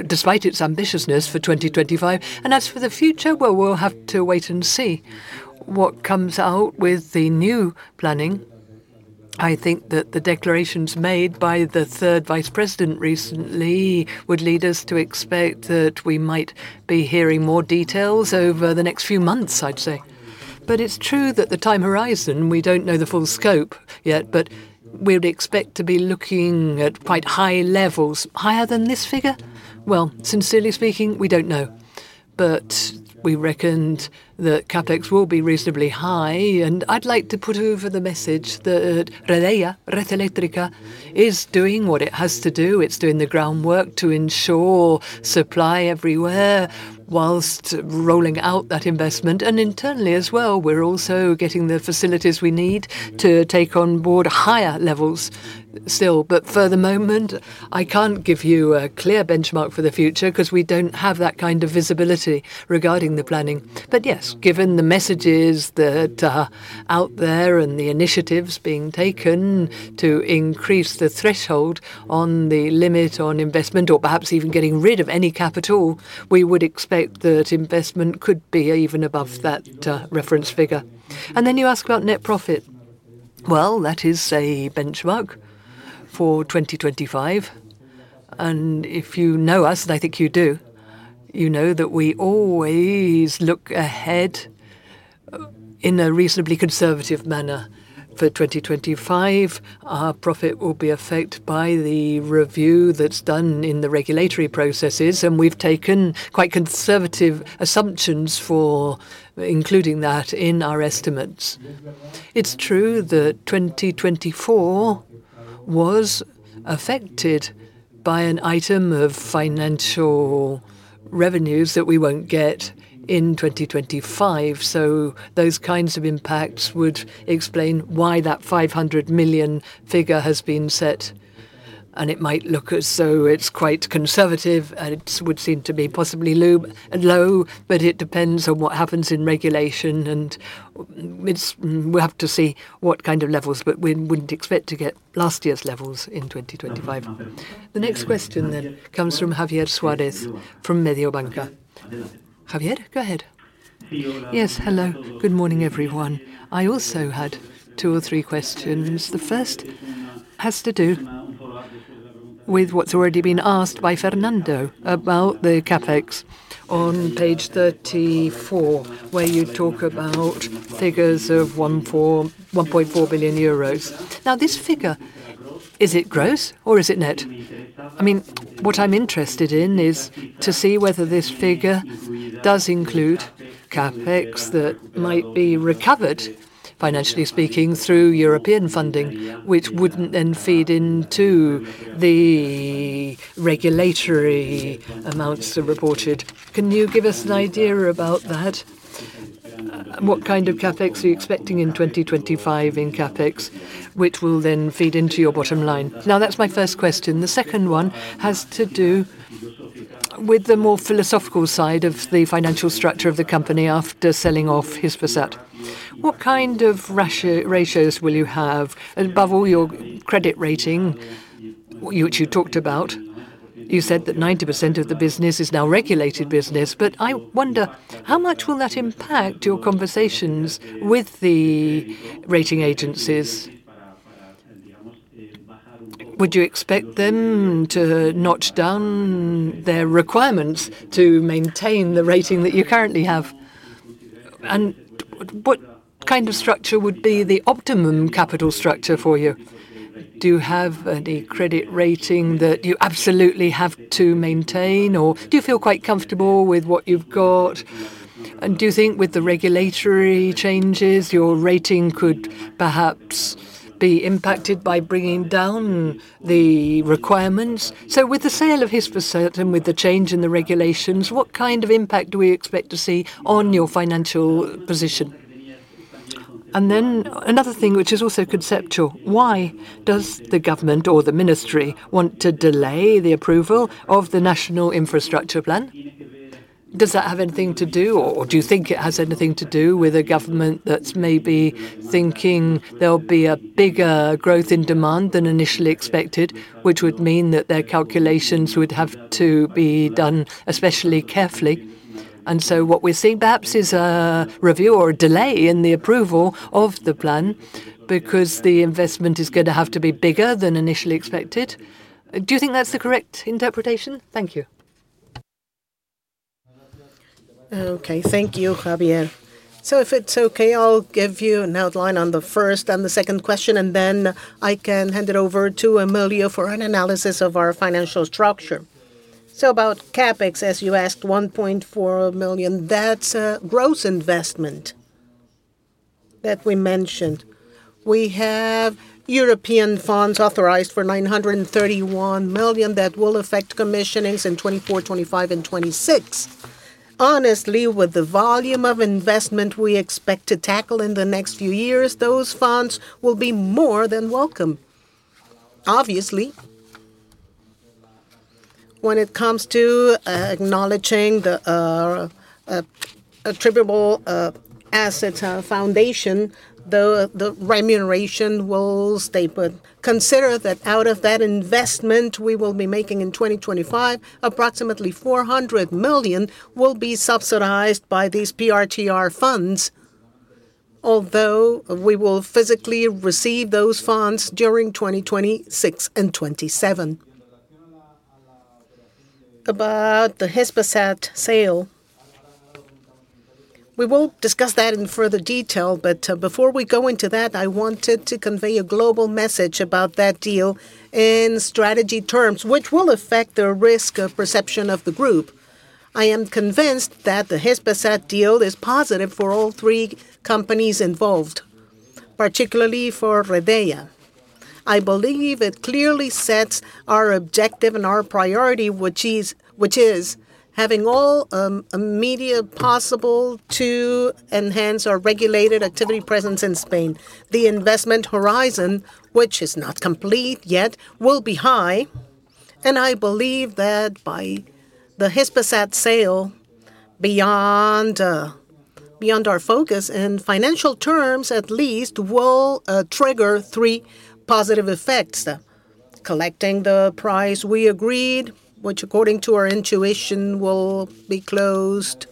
despite its ambitiousness for 2025. As for the future, well, we'll have to wait and see what comes out with the new planning. I think that the declarations made by the third vice president recently would lead us to expect that we might be hearing more details over the next few months, I'd say. But it's true that the time horizon, we don't know the full scope yet, but we would expect to be looking at quite high levels. Higher than this figure? Well, sincerely speaking, we don't know. But we reckoned that CapEx will be reasonably high, and I'd like to put over the message that Redeia, Red Eléctrica, is doing what it has to do. It's doing the groundwork to ensure supply everywhere while rolling out that investment. And internally as well, we're also getting the facilities we need to take on board higher levels still. But for the moment, I can't give you a clear benchmark for the future because we don't have that kind of visibility regarding the planning. But yes, given the messages that are out there and the initiatives being taken to increase the threshold on the limit on investment, or perhaps even getting rid of any cap at all, we would expect that investment could be even above that reference figure. And then you ask about net profit. Well, that is a benchmark for 2025. And if you know us, and I think you do, you know that we always look ahead in a reasonably conservative manner. For 2025, our profit will be affected by the review that's done in the regulatory processes, and we've taken quite conservative assumptions for including that in our estimates. It's true that 2024 was affected by an item of financial revenues that we won't get in 2025. So those kinds of impacts would explain why that 500 million figure has been set. It might look as though it's quite conservative, and it would seem to be possibly low, but it depends on what happens in regulation. We'll have to see what kind of levels, but we wouldn't expect to get last year's levels in 2025. The next question then comes from Javier Suárez from Mediobanca. Javier, go ahead. Yes, hello. Good morning, everyone. I also had two or three questions. The first has to do with what's already been asked by Fernando about the CapEx on page 34, where you talk about figures of 1.4 billion euros. Now, this figure, is it gross or is it net? I mean, what I'm interested in is to see whether this figure does include CapEx that might be recovered, financially speaking, through European funding, which wouldn't then feed into the regulatory amounts that are reported. Can you give us an idea about that? What kind of CapEx are you expecting in 2025 in CapEx, which will then feed into your bottom line? Now, that's my first question. The second one has to do with the more philosophical side of the financial structure of the company after selling off Hispasat. What kind of ratios will you have above all your credit rating, which you talked about? You said that 90% of the business is now regulated business, but I wonder how much will that impact your conversations with the rating agencies? Would you expect them to notch down their requirements to maintain the rating that you currently have? What kind of structure would be the optimum capital structure for you? Do you have any credit rating that you absolutely have to maintain, or do you feel quite comfortable with what you've got? Do you think with the regulatory changes, your rating could perhaps be impacted by bringing down the requirements? With the sale of Hispasat and with the change in the regulations, what kind of impact do we expect to see on your financial position? Then another thing, which is also conceptual, why does the government or the ministry want to delay the approval of the National Infrastructure Plan? Does that have anything to do, or do you think it has anything to do with a government that's maybe thinking there'll be a bigger growth in demand than initially expected, which would mean that their calculations would have to be done especially carefully? What we're seeing perhaps is a review or a delay in the approval of the plan because the investment is going to have to be bigger than initially expected. Do you think that's the correct interpretation? Thank you. Okay, thank you, Javier. If it's okay, I'll give you an outline on the first and the second question, and then I can hand it over to Emilio for an analysis of our financial structure. About CapEx, as you asked, 1.4 million, that's a gross investment that we mentioned. We have European funds authorized for 931 million that will affect commissionings in 2024, 2025, and 2026. Honestly, with the volume of investment we expect to tackle in the next few years, those funds will be more than welcome. Obviously, when it comes to acknowledging the attributable asset base, the remuneration will stay. But consider that out of that investment we will be making in 2025, approximately 400 million will be subsidized by these PRTR funds, although we will physically receive those funds during 2026 and 2027. About the Hispasat sale, we will discuss that in further detail, but before we go into that, I wanted to convey a global message about that deal in strategy terms, which will affect the risk of perception of the group. I am convinced that the Hispasat deal is positive for all three companies involved, particularly for Redeia. I believe it clearly sets our objective and our priority, which is having all media possible to enhance our regulated activity presence in Spain. The investment horizon, which is not complete yet, will be high, and I believe that by the Hispasat sale, beyond our focus in financial terms, at least, will trigger three positive effects. Collecting the price we agreed, which according to our intuition will be closed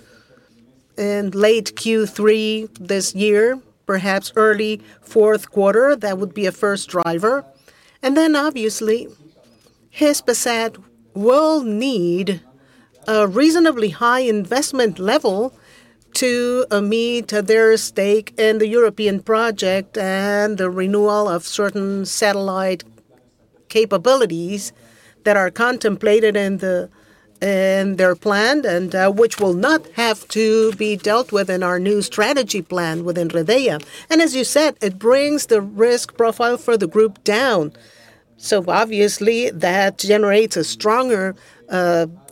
in late Q3 this year, perhaps early fourth quarter, that would be a first driver, and then obviously, Hispasat will need a reasonably high investment level to meet their stake in the European project and the renewal of certain satellite capabilities that are contemplated in their plan, and which will not have to be dealt with in our new strategy plan within Redeia, and as you said, it brings the risk profile for the group down, so obviously, that generates a stronger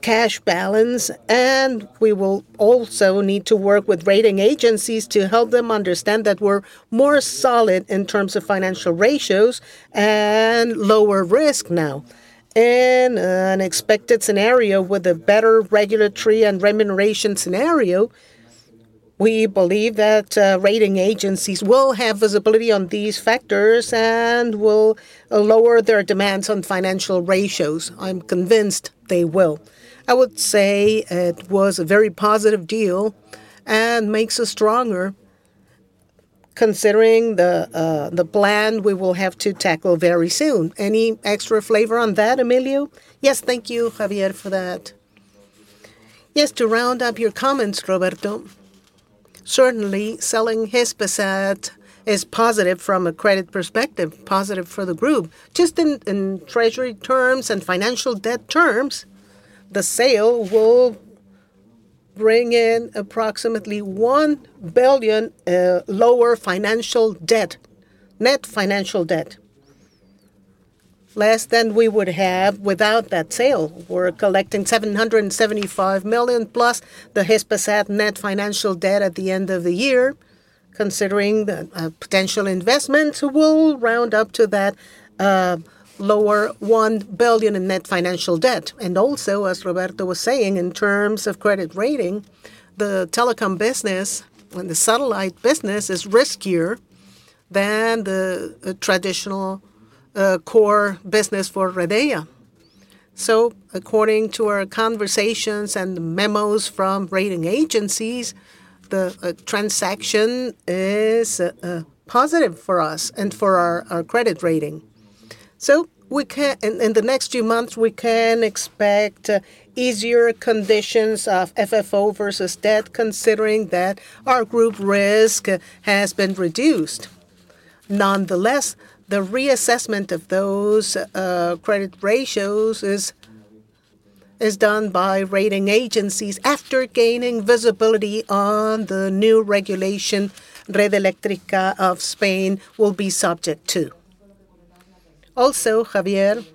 cash balance, and we will also need to work with rating agencies to help them understand that we're more solid in terms of financial ratios and lower risk now. In an expected scenario with a better regulatory and remuneration scenario, we believe that rating agencies will have visibility on these factors and will lower their demands on financial ratios. I'm convinced they will. I would say it was a very positive deal and makes us stronger considering the plan we will have to tackle very soon. Any extra flavor on that, Emilio? Yes, thank you, Javier, for that. Yes, to round up your comments, Roberto. Certainly, selling Hispasat is positive from a credit perspective, positive for the group. Just in treasury terms and financial debt terms, the sale will bring in approximately 1 billion lower financial debt, net financial debt, less than we would have without that sale. We're collecting 775 million plus the Hispasat net financial debt at the end of the year, considering the potential investment will round up to that lower 1 billion in net financial debt. Also, as Roberto was saying, in terms of credit rating, the telecom business and the satellite business is riskier than the traditional core business for Redeia. According to our conversations and memos from rating agencies, the transaction is positive for us and for our credit rating. In the next few months, we can expect easier conditions of FFO versus debt, considering that our group risk has been reduced. Nonetheless, the reassessment of those credit ratios is done by rating agencies after gaining visibility on the new regulation Red Eléctrica of Spain will be subject to. Also, Javier,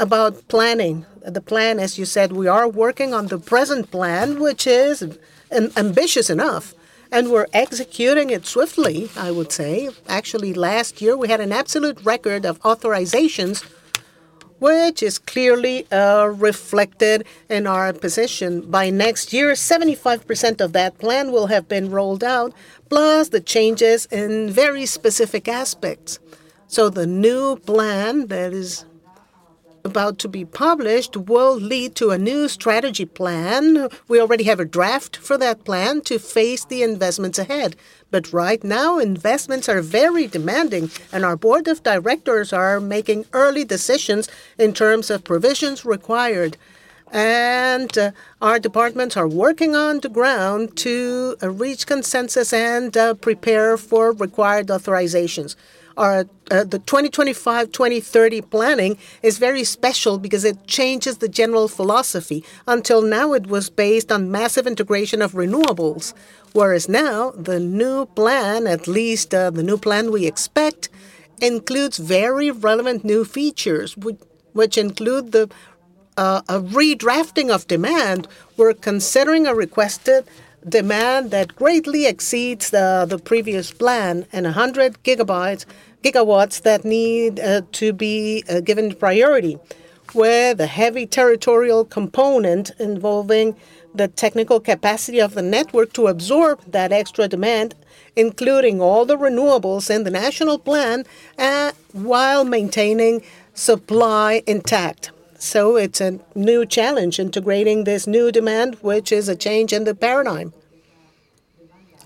about planning, the plan, as you said, we are working on the present plan, which is ambitious enough, and we're executing it swiftly, I would say. Actually, last year, we had an absolute record of authorizations, which is clearly reflected in our position. By next year, 75% of that plan will have been rolled out, plus the changes in very specific aspects. So the new plan that is about to be published will lead to a new strategy plan. We already have a draft for that plan to face the investments ahead. But right now, investments are very demanding, and our board of directors are making early decisions in terms of provisions required. And our departments are working on the ground to reach consensus and prepare for required authorizations. The 2025-2030 planning is very special because it changes the general philosophy. Until now, it was based on massive integration of renewables, whereas now the new plan, at least the new plan we expect, includes very relevant new features, which include a redrafting of demand. We're considering a requested demand that greatly exceeds the previous plan and 100 GW that need to be given priority, where the heavy territorial component involving the technical capacity of the network to absorb that extra demand, including all the renewables in the national plan, while maintaining supply intact, so it's a new challenge integrating this new demand, which is a change in the paradigm,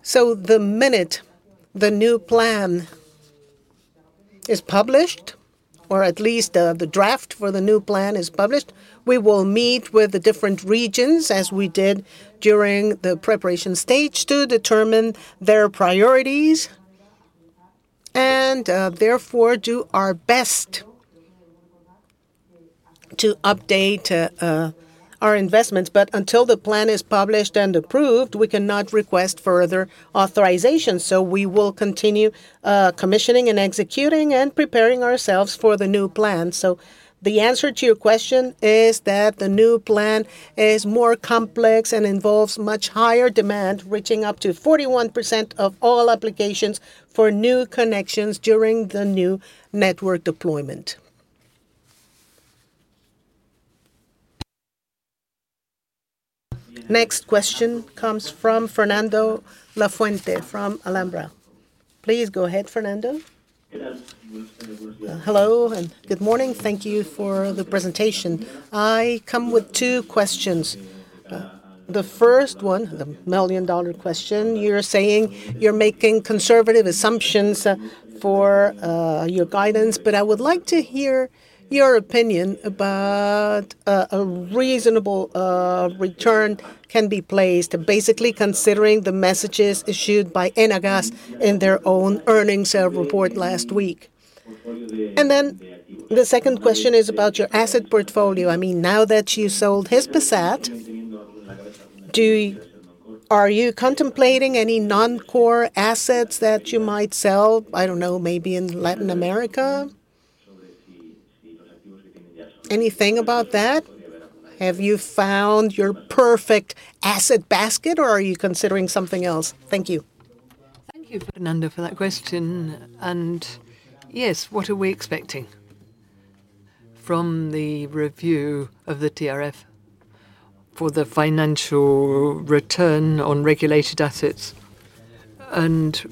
so the minute the new plan is published, or at least the draft for the new plan is published, we will meet with the different regions, as we did during the preparation stage, to determine their priorities and therefore do our best to update our investments. But until the plan is published and approved, we cannot request further authorizations. So we will continue commissioning and executing and preparing ourselves for the new plan. So the answer to your question is that the new plan is more complex and involves much higher demand, reaching up to 41% of all applications for new connections during the new network deployment. Next question comes from Fernando Lafuente from Alantra. Please go ahead, Fernando. Hello, and good morning. Thank you for the presentation. I come with two questions. The first one, the million-dollar question, you're saying you're making conservative assumptions for your guidance, but I would like to hear your opinion about a reasonable return that can be placed, basically considering the messages issued by Enagás in their own earnings report last week. And then the second question is about your asset portfolio. I mean, now that you sold Hispasat, are you contemplating any non-core assets that you might sell? I don't know, maybe in Latin America. Anything about that? Have you found your perfect asset basket, or are you considering something else? Thank you. Thank you, Fernando, for that question. And yes, what are we expecting from the review of the TRF for the financial return on regulated assets? And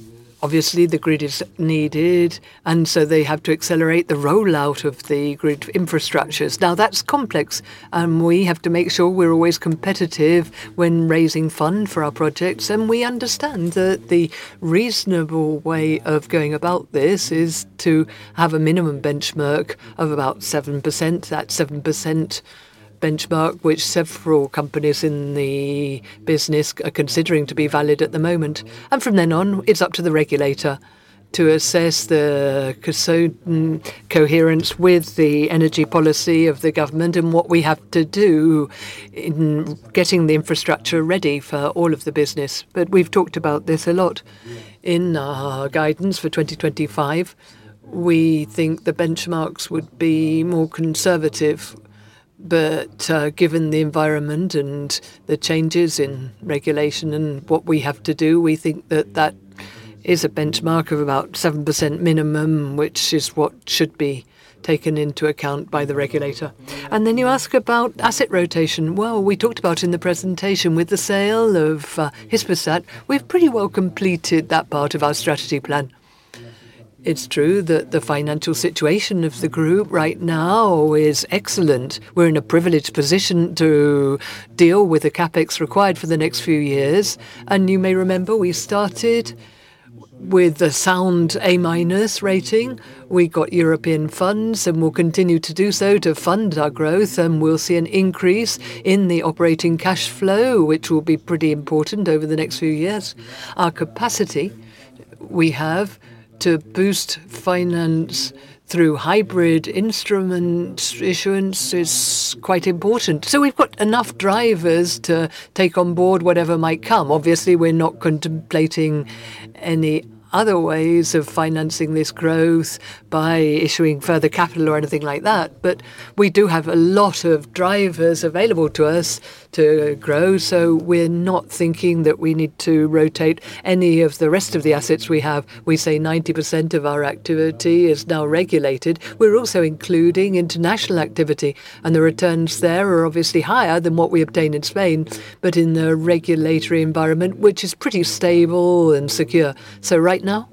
obviously, the grid is needed, and so they have to accelerate the rollout of the grid infrastructures. Now, that's complex, and we have to make sure we're always competitive when raising funds for our projects. And we understand that the reasonable way of going about this is to have a minimum benchmark of about 7%, that 7% benchmark, which several companies in the business are considering to be valid at the moment. From then on, it's up to the regulator to assess the coherence with the energy policy of the government and what we have to do in getting the infrastructure ready for all of the business. We've talked about this a lot in our guidance for 2025. We think the benchmarks would be more conservative, but given the environment and the changes in regulation and what we have to do, we think that that is a benchmark of about 7% minimum, which is what should be taken into account by the regulator. Then you ask about asset rotation. We talked about in the presentation with the sale of Hispasat. We've pretty well completed that part of our strategy plan. It's true that the financial situation of the group right now is excellent. We're in a privileged position to deal with the CapEx required for the next few years, and you may remember we started with a sound A- rating. We got European funds and will continue to do so to fund our growth, and we'll see an increase in the operating cash flow, which will be pretty important over the next few years. Our capacity we have to boost finance through hybrid instrument issuance is quite important, so we've got enough drivers to take on board whatever might come. Obviously, we're not contemplating any other ways of financing this growth by issuing further capital or anything like that, but we do have a lot of drivers available to us to grow, so we're not thinking that we need to rotate any of the rest of the assets we have. We say 90% of our activity is now regulated. We're also including international activity, and the returns there are obviously higher than what we obtain in Spain, but in the regulatory environment, which is pretty stable and secure. So right now,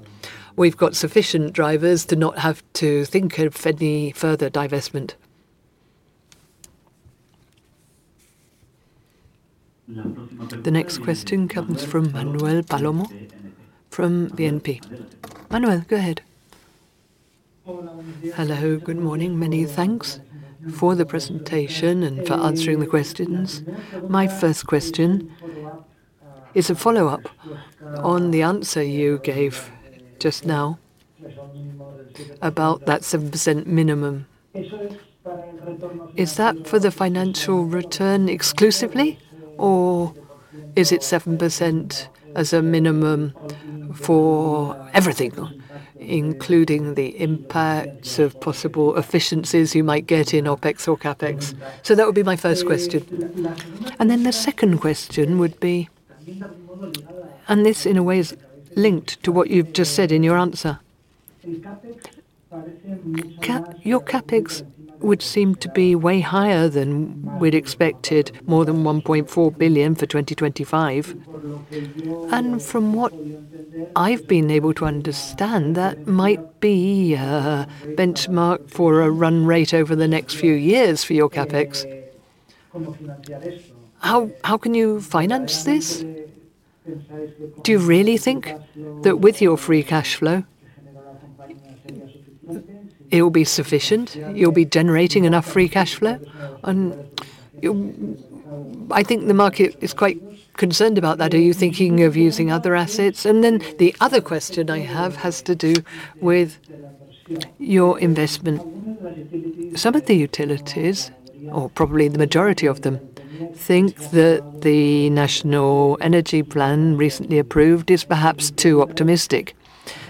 we've got sufficient drivers to not have to think of any further divestment. The next question comes from Manuel Palomo from BNP. Manuel, go ahead. Hello, good morning. Many thanks for the presentation and for answering the questions. My first question is a follow-up on the answer you gave just now about that 7% minimum. Is that for the financial return exclusively, or is it 7% as a minimum for everything, including the impacts of possible efficiencies you might get in OpEx or CapEx? So that would be my first question. And then the second question would be, and this in a way is linked to what you've just said in your answer. Your CapEx would seem to be way higher than we'd expect. More than 1.4 billion for 2025, and from what I've been able to understand, that might be a benchmark for a run rate over the next few years for your CapEx. How can you finance this? Do you really think that with your free cash flow, it will be sufficient? You'll be generating enough free cash flow, and I think the market is quite concerned about that. Are you thinking of using other assets, and then the other question I have has to do with your investment. Some of the utilities, or probably the majority of them, think that the national energy plan recently approved is perhaps too optimistic,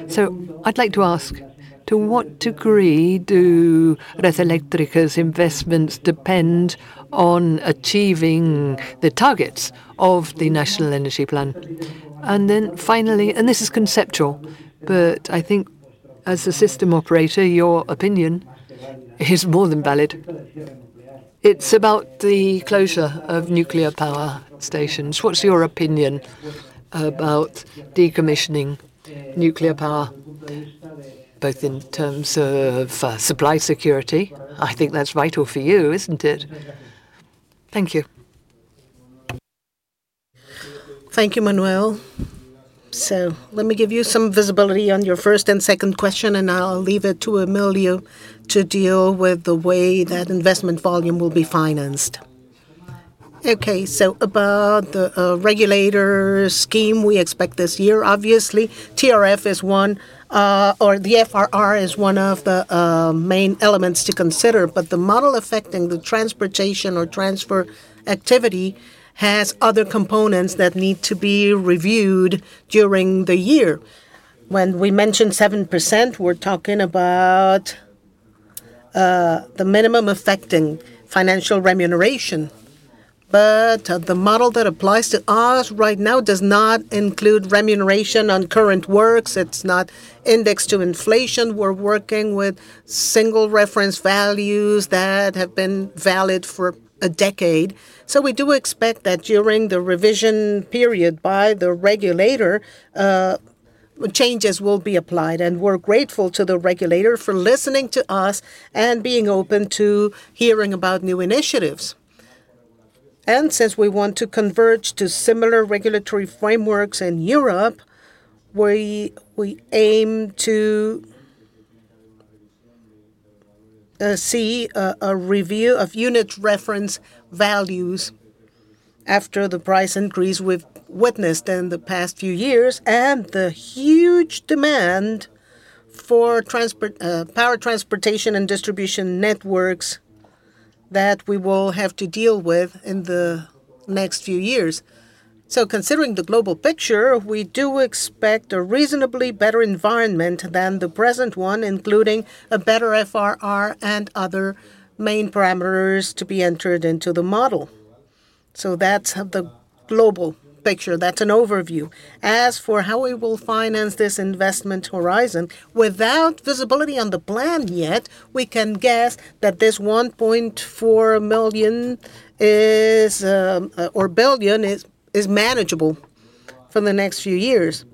so I'd like to ask, to what degree do Red Eléctrica's investments depend on achieving the targets of the national energy plan? Then finally, and this is conceptual, but I think as a System Operator, your opinion is more than valid. It's about the closure of nuclear power stations. What's your opinion about decommissioning nuclear power, both in terms of supply security? I think that's vital for you, isn't it? Thank you. Thank you, Manuel. So let me give you some visibility on your first and second question, and I'll leave it to Emilio to deal with the way that investment volume will be financed. Okay, so about the regulatory scheme we expect this year, obviously, TRF is one, or the FRR is one of the main elements to consider, but the model affecting the transmission or transport activity has other components that need to be reviewed during the year. When we mentioned 7%, we're talking about the minimum affecting financial remuneration. But the model that applies to us right now does not include remuneration on current works. It's not indexed to inflation. We're working with single reference values that have been valid for a decade. So we do expect that during the revision period by the regulator, changes will be applied. And we're grateful to the regulator for listening to us and being open to hearing about new initiatives. And since we want to converge to similar regulatory frameworks in Europe, we aim to see a review of unit reference values after the price increase we've witnessed in the past few years and the huge demand for power transportation and distribution networks that we will have to deal with in the next few years. Considering the global picture, we do expect a reasonably better environment than the present one, including a better FRR and other main parameters to be entered into the model. That's the global picture. That's an overview. As for how we will finance this investment horizon, without visibility on the plan yet, we can guess that this 1.4 billion is manageable for the next few years.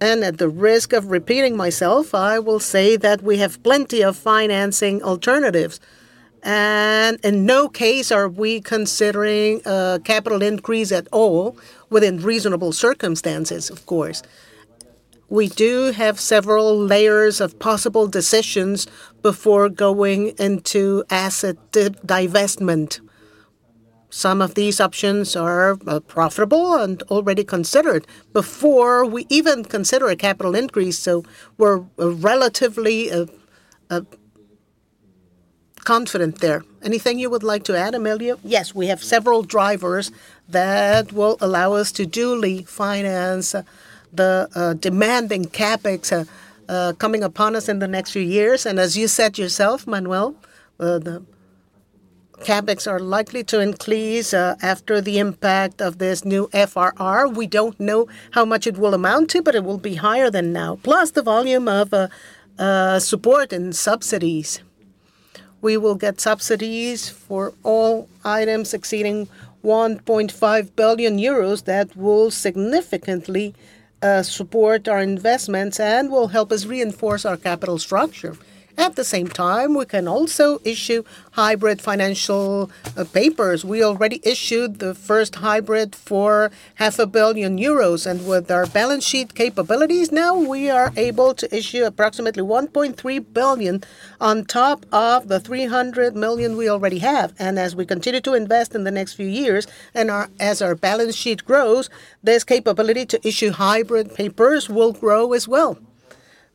At the risk of repeating myself, I will say that we have plenty of financing alternatives. In no case are we considering a capital increase at all within reasonable circumstances, of course. We do have several layers of possible decisions before going into asset divestment. Some of these options are profitable and already considered before we even consider a capital increase. We're relatively confident there. Anything you would like to add, Emilio? Yes, we have several drivers that will allow us to duly finance the demanding CapEx coming upon us in the next few years. And as you said yourself, Manuel, the CapEx are likely to increase after the impact of this new FRR. We don't know how much it will amount to, but it will be higher than now. Plus the volume of support and subsidies. We will get subsidies for all items exceeding 1.5 billion euros that will significantly support our investments and will help us reinforce our capital structure. At the same time, we can also issue hybrid financial papers. We already issued the first hybrid for 500 million euros. And with our balance sheet capabilities, now we are able to issue approximately 1.3 billion on top of the 300 million we already have. As we continue to invest in the next few years and as our balance sheet grows, this capability to issue hybrid papers will grow as well.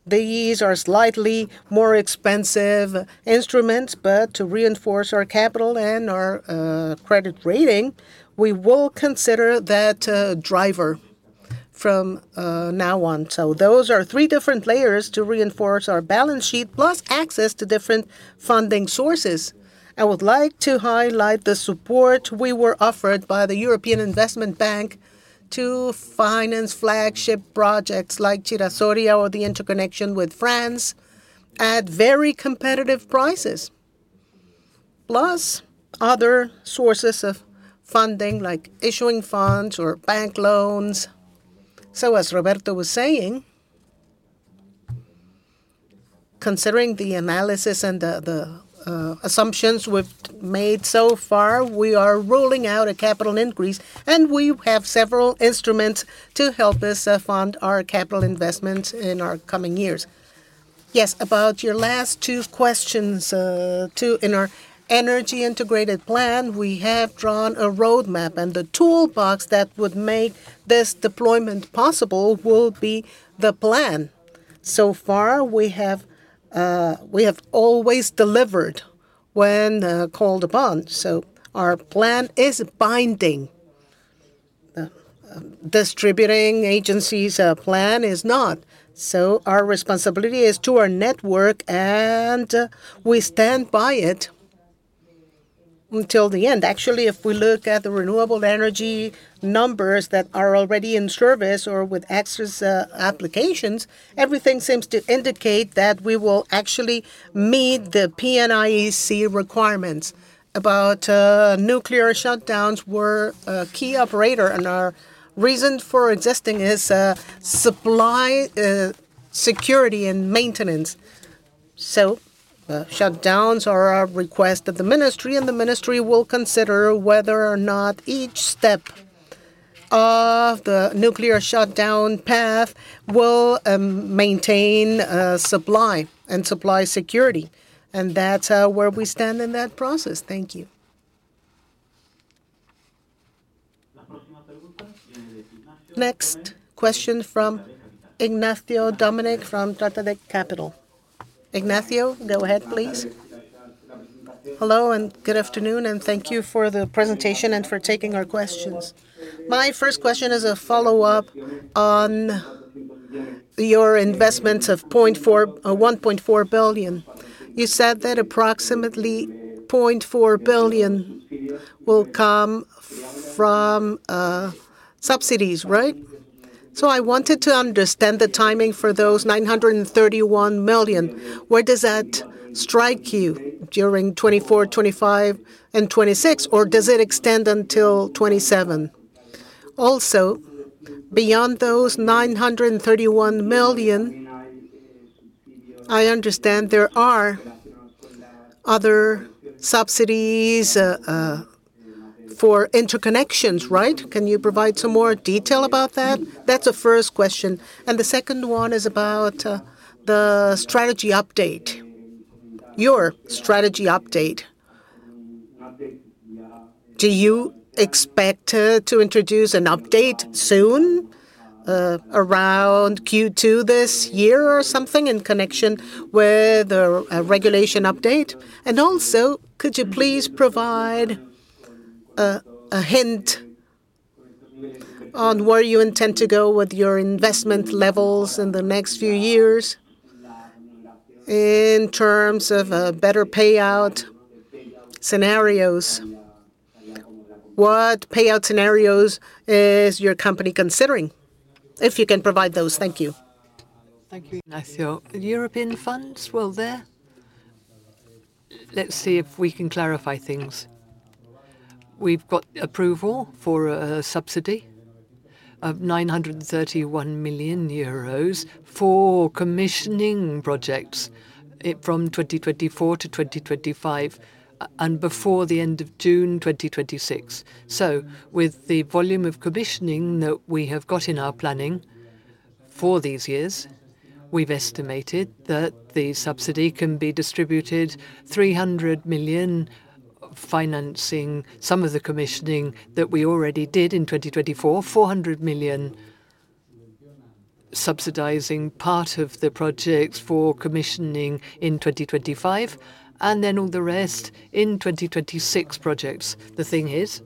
These are slightly more expensive instruments, but to reinforce our capital and our credit rating, we will consider that driver from now on. Those are three different layers to reinforce our balance sheet, plus access to different funding sources. I would like to highlight the support we were offered by the European Investment Bank to finance flagship projects like Chira or the interconnection with France at very competitive prices, plus other sources of funding like issuing funds or bank loans. As Roberto was saying, considering the analysis and the assumptions we've made so far, we are ruling out a capital increase, and we have several instruments to help us fund our capital investments in our coming years. Yes, about your last two questions, too. In our energy integrated plan, we have drawn a roadmap, and the toolbox that would make this deployment possible will be the plan. So far, we have always delivered when called upon, so our plan is binding. The distributing agencies' plan is not, so our responsibility is to our network, and we stand by it until the end. Actually, if we look at the renewable energy numbers that are already in service or with access applications, everything seems to indicate that we will actually meet the PNIEC requirements. About nuclear shutdowns, we're a key operator, and our reason for existing is supply security and maintenance, so shutdowns are a request of the ministry, and the ministry will consider whether or not each step of the nuclear shutdown path will maintain supply and supply security, and that's where we stand in that process. Thank you. Next question from Ignacio Doménech from JB Capital Markets. Ignacio, go ahead, please. Hello and good afternoon, and thank you for the presentation and for taking our questions. My first question is a follow-up on your investments of 1.4 billion. You said that approximately 0.4 billion will come from subsidies, right? So I wanted to understand the timing for those 931 million. Where does that strike you during 2024, 2025, and 2026, or does it extend until 2027? Also, beyond those 931 million, I understand there are other subsidies for interconnections, right? Can you provide some more detail about that? That's the first question. And the second one is about the strategy update. Your strategy update. Do you expect to introduce an update soon around Q2 this year or something in connection with a regulation update? And also, could you please provide a hint on where you intend to go with your investment levels in the next few years in terms of better payout scenarios? What payout scenarios is your company considering? If you can provide those, thank you. Thank you, Ignacio. European funds, well, they're... Let's see if we can clarify things. We've got approval for a subsidy of 931 million euros for commissioning projects from 2024 to 2025 and before the end of June 2026. So with the volume of commissioning that we have got in our planning for these years, we've estimated that the subsidy can be distributed: 300 million financing some of the commissioning that we already did in 2024, 400 million subsidizing part of the projects for commissioning in 2025, and then all the rest in 2026 projects. The thing is,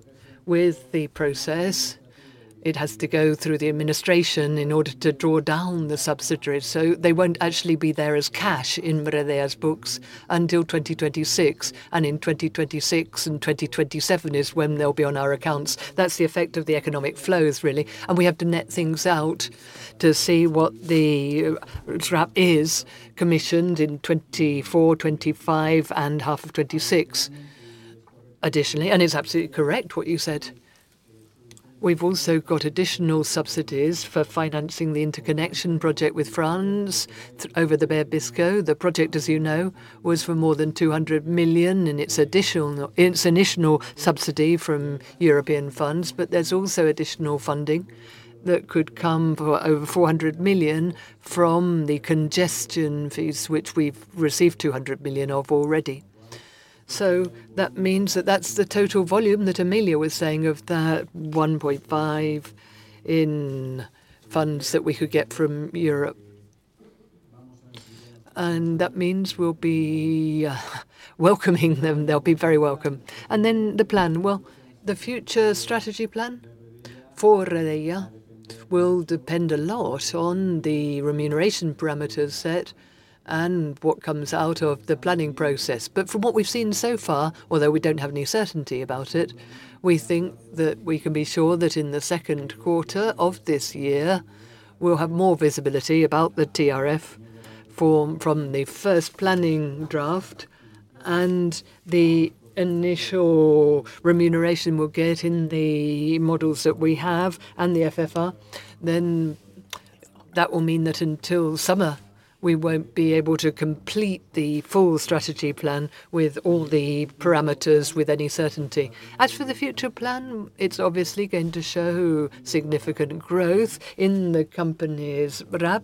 with the process, it has to go through the administration in order to draw down the subsidies. So they won't actually be there as cash in Redeia's books until 2026, and in 2026 and 2027 is when they'll be on our accounts. That's the effect of the economic flows, really. And we have to net things out to see what the draft is commissioned in 2024, 2025, and half of 2026 additionally. And it's absolutely correct what you said. We've also got additional subsidies for financing the interconnection project with France over the Bay of Biscay. The project, as you know, was for more than 200 million, and it's an additional subsidy from European funds, but there's also additional funding that could come for over 400 million from the congestion fees, which we've received 200 million of already. So that means that that's the total volume that Emilio was saying of that 1.5 billion in funds that we could get from Europe. And that means we'll be welcoming them. They'll be very welcome. And then the plan, well, the future strategy plan for Redeia will depend a lot on the remuneration parameters set and what comes out of the planning process. But from what we've seen so far, although we don't have any certainty about it, we think that we can be sure that in the second quarter of this year, we'll have more visibility about the TRF from the first planning draft and the initial remuneration we'll get in the models that we have and the FRR. Then that will mean that until summer, we won't be able to complete the full strategy plan with all the parameters with any certainty. As for the future plan, it's obviously going to show significant growth in the company's RAB,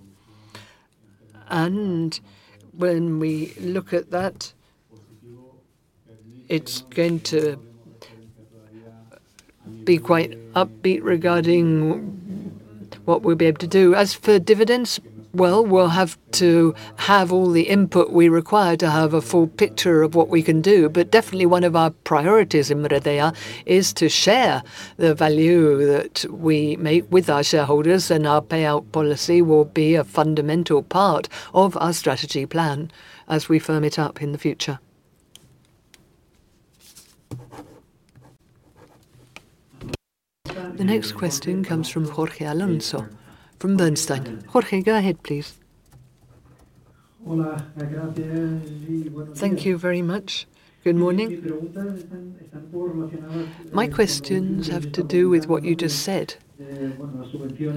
and when we look at that, it's going to be quite upbeat regarding what we'll be able to do. As for dividends, well, we'll have to have all the input we require to have a full picture of what we can do, but definitely, one of our priorities in Redeia is to share the value that we make with our shareholders, and our payout policy will be a fundamental part of our strategy plan as we firm it up in the future. The next question comes from Jorge Alonso from Bernstein. Jorge, go ahead, please. Thank you very much. Good morning. My questions have to do with what you just said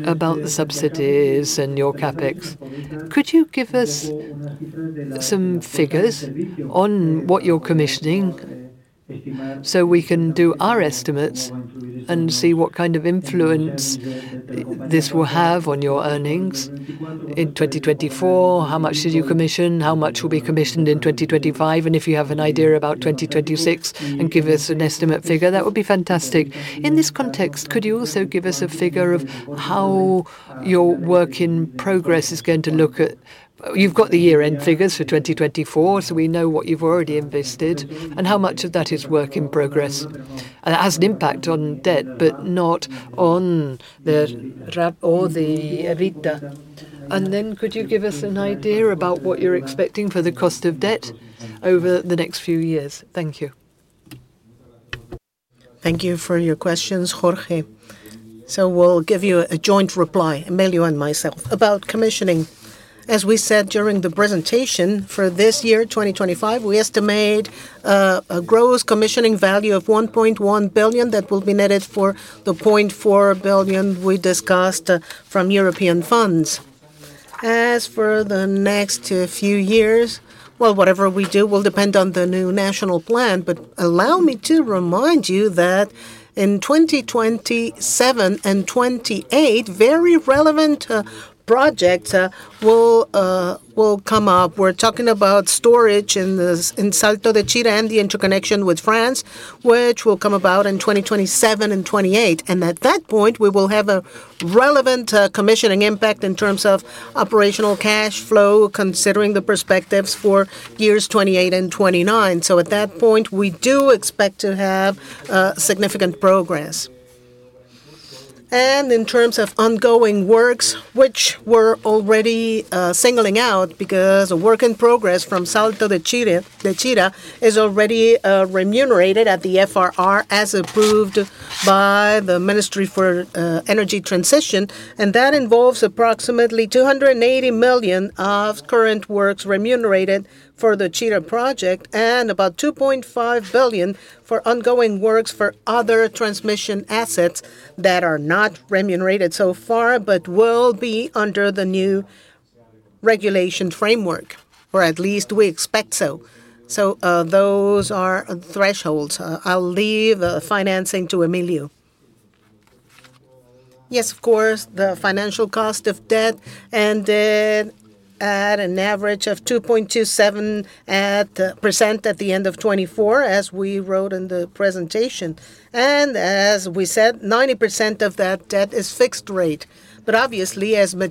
about the subsidies and your CapEx. Could you give us some figures on what you're commissioning so we can do our estimates and see what kind of influence this will have on your earnings in 2024? How much did you commission? How much will be commissioned in 2025? And if you have an idea about 2026 and give us an estimate figure, that would be fantastic. In this context, could you also give us a figure of how your work in progress is going to look like? You've got the year-end figures for 2024, so we know what you've already invested and how much of that is work in progress. And it has an impact on debt, but not on the EBITDA. And then could you give us an idea about what you're expecting for the cost of debt over the next few years? Thank you. Thank you for your questions, Jorge. So we'll give you a joint reply, Emilio and myself, about commissioning. As we said during the presentation, for this year, 2025, we estimate a gross commissioning value of 1.1 billion that will be netted for the 0.4 billion we discussed from European funds. As for the next few years, well, whatever we do will depend on the new national plan. But allow me to remind you that in 2027 and 2028, very relevant projects will come up. We're talking about storage in Salto de Chira and the interconnection with France, which will come about in 2027 and 2028. And at that point, we will have a relevant commissioning impact in terms of operational cash flow, considering the perspectives for years 2028 and 2029. So at that point, we do expect to have significant progress. In terms of ongoing works, which we're already singling out because a work in progress from Salto de Chira is already remunerated at the FRR as approved by the Ministry for Energy Transition. That involves approximately 280 million of current works remunerated for the Chira project and about 2.5 billion for ongoing works for other transmission assets that are not remunerated so far, but will be under the new regulation framework, or at least we expect so. Those are thresholds. I'll leave financing to Emilio. Yes, of course, the financial cost of debt ended at an average of 2.27% at the end of 2024, as we wrote in the presentation. As we said, 90% of that debt is fixed rate. But obviously, as debt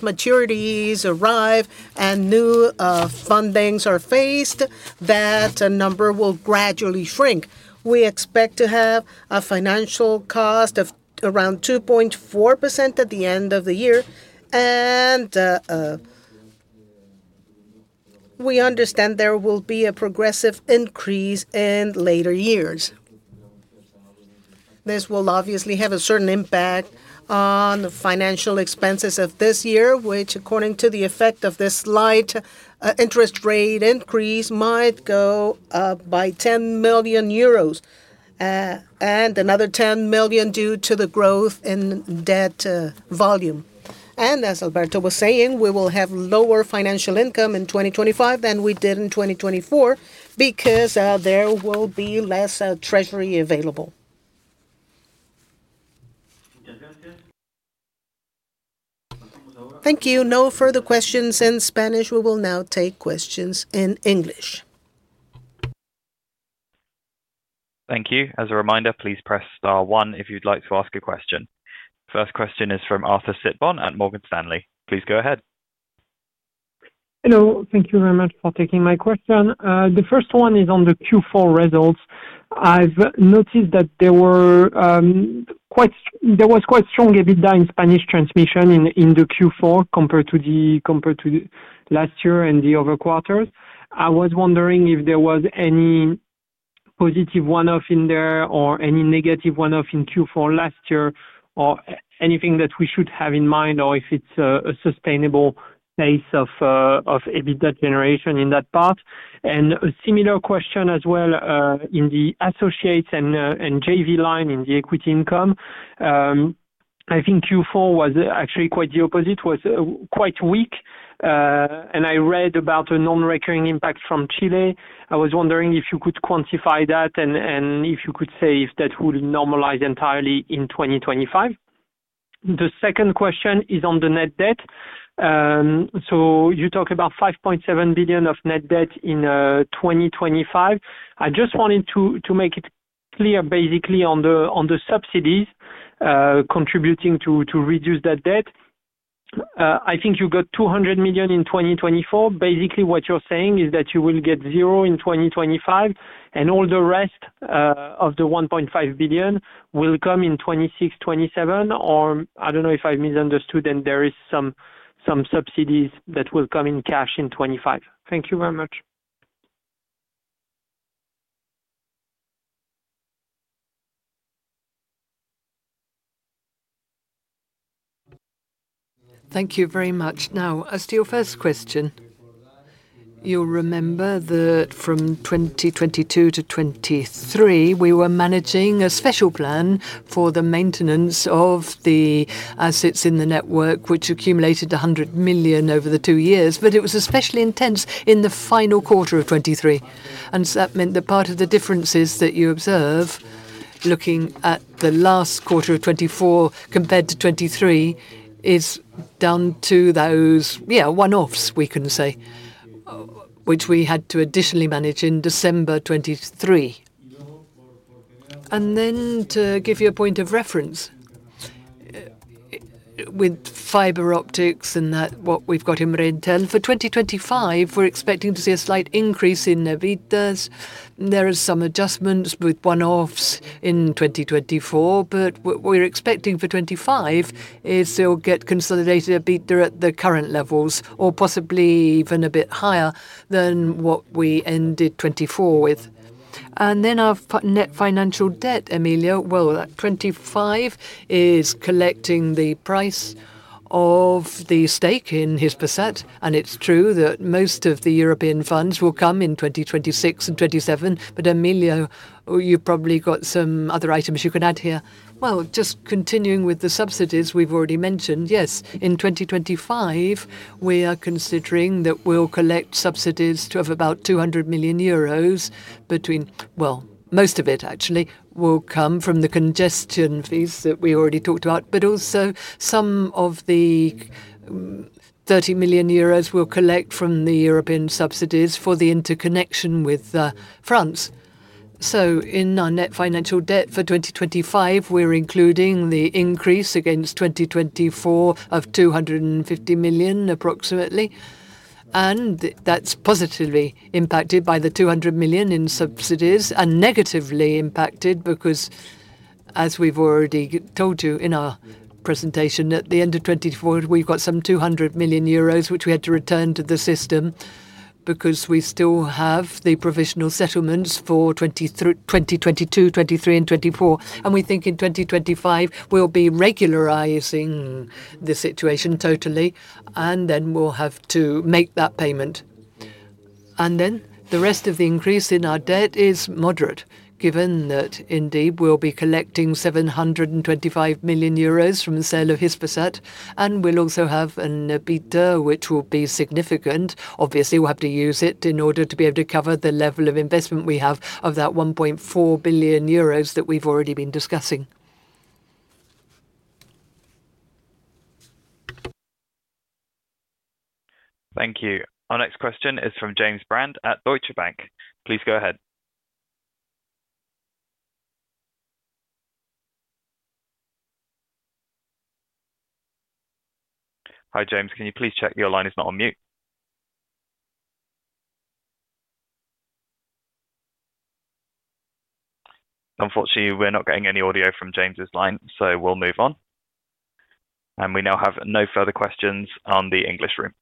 maturities arrive and new fundings are phased, that number will gradually shrink. We expect to have a financial cost of around 2.4% at the end of the year, and we understand there will be a progressive increase in later years. This will obviously have a certain impact on the financial expenses of this year, which, according to the effect of this slight interest rate increase, might go up by 10 million euros and another 10 million due to the growth in debt volume, and as Roberto was saying, we will have lower financial income in 2025 than we did in 2024 because there will be less treasury available. Thank you. No further questions in Spanish. We will now take questions in English. Thank you. As a reminder, please press star one if you'd like to ask a question. First question is from Arthur Sitbon at Morgan Stanley. Please go ahead. Hello. Thank you very much for taking my question. The first one is on the Q4 results. I've noticed that there was quite strong EBITDA in Spanish transmission in the Q4 compared to last year and the other quarters. I was wondering if there was any positive one-off in there or any negative one-off in Q4 last year or anything that we should have in mind or if it's a sustainable pace of EBITDA generation in that part, and a similar question as well in the associates and JV line in the equity income. I think Q4 was actually quite the opposite, was quite weak, and I read about a non-recurring impact from Chile. I was wondering if you could quantify that and if you could say if that would normalize entirely in 2025. The second question is on the net debt, so you talk about 5.7 billion of net debt in 2025. I just wanted to make it clear, basically, on the subsidies contributing to reduce that debt. I think you got 200 million in 2024. Basically, what you're saying is that you will get zero in 2025, and all the rest of the 1.5 billion will come in 2026, 2027, or I don't know if I've misunderstood, and there are some subsidies that will come in cash in 2025. Thank you very much. Thank you very much. Now, as to your first question, you'll remember that from 2022 to 2023, we were managing a special plan for the maintenance of the assets in the network, which accumulated 100 million over the two years, but it was especially intense in the final quarter of 2023. And so that meant that part of the differences that you observe, looking at the last quarter of 2024 compared to 2023, is down to those, yeah, one-offs we can say, which we had to additionally manage in December 2023. And then to give you a point of reference with fiber optics and what we've got in Reintel, for 2025, we're expecting to see a slight increase in EBITDA. There are some adjustments with one-offs in 2024, but what we're expecting for 2025 is they'll get consolidated EBITDA at the current levels or possibly even a bit higher than what we ended 2024 with. And then our net financial debt, Emilio. Well, 2025 is collecting the price of the stake in Hispasat. And it's true that most of the European funds will come in 2026 and 2027. But Emilio, you've probably got some other items you can add here. Just continuing with the subsidies we've already mentioned, yes, in 2025, we are considering that we'll collect subsidies of about 200 million euros between, well, most of it actually will come from the congestion fees that we already talked about, but also some of the 30 million euros we'll collect from the European subsidies for the interconnection with France, so in our net financial debt for 2025, we're including the increase against 2024 of 250 million approximately, and that's positively impacted by the 200 million in subsidies and negatively impacted because, as we've already told you in our presentation, at the end of 2024, we've got some 200 million euros, which we had to return to the system because we still have the provisional settlements for 2022, 2023, and 2024, and we think in 2025, we'll be regularizing the situation totally, and then we'll have to make that payment. And then the rest of the increase in our debt is moderate, given that indeed we'll be collecting 725 million euros from the sale of Hispasat, and we'll also have an EBITDA, which will be significant. Obviously, we'll have to use it in order to be able to cover the level of investment we have of that 1.4 billion euros that we've already been discussing. Thank you. Our next question is from James Brand at Deutsche Bank. Please go ahead. Hi, James. Can you please check your line is not on mute? Unfortunately, we're not getting any audio from James's line, so we'll move on. And we now have no further questions on the English line.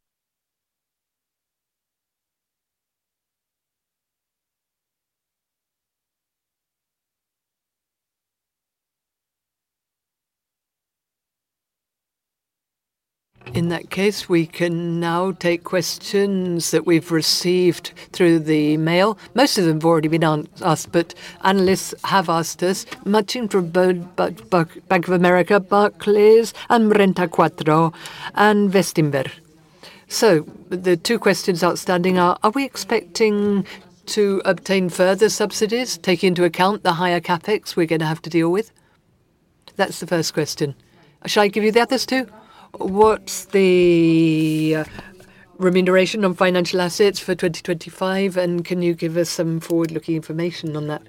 In that case, we can now take questions that we've received through email. Most of them have already been asked, but analysts have asked us, Martin from Bank of America, Barclays, and Renta 4, and Bestinver. So the two questions outstanding are, are we expecting to obtain further subsidies taking into account the higher CapEx we're going to have to deal with? That's the first question. Shall I give you the others too? What's the remuneration on financial assets for 2025? And can you give us some forward-looking information on that?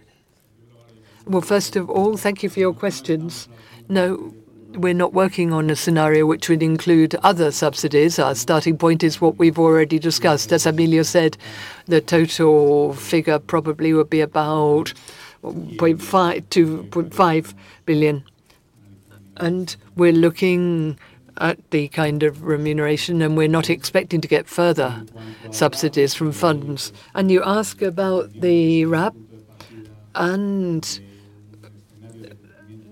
First of all, thank you for your questions. No, we're not working on a scenario which would include other subsidies. Our starting point is what we've already discussed. As Emilio said, the total figure probably would be about 2.5 billion. And we're looking at the kind of remuneration, and we're not expecting to get further subsidies from funds. And you ask about the RAB, and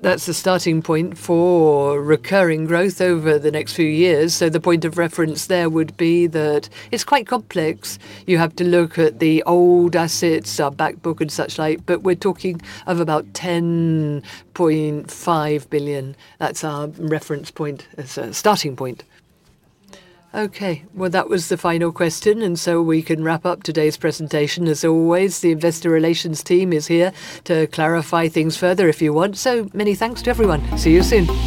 that's the starting point for recurring growth over the next few years. So the point of reference there would be that it's quite complex. You have to look at the old assets, our backbook and such like, but we're talking of about 10.5 billion. That's our reference point, starting point. Okay, well, that was the final question, and so we can wrap up today's presentation. As always, the investor relations team is here to clarify things further if you want. So many thanks to everyone. See you soon.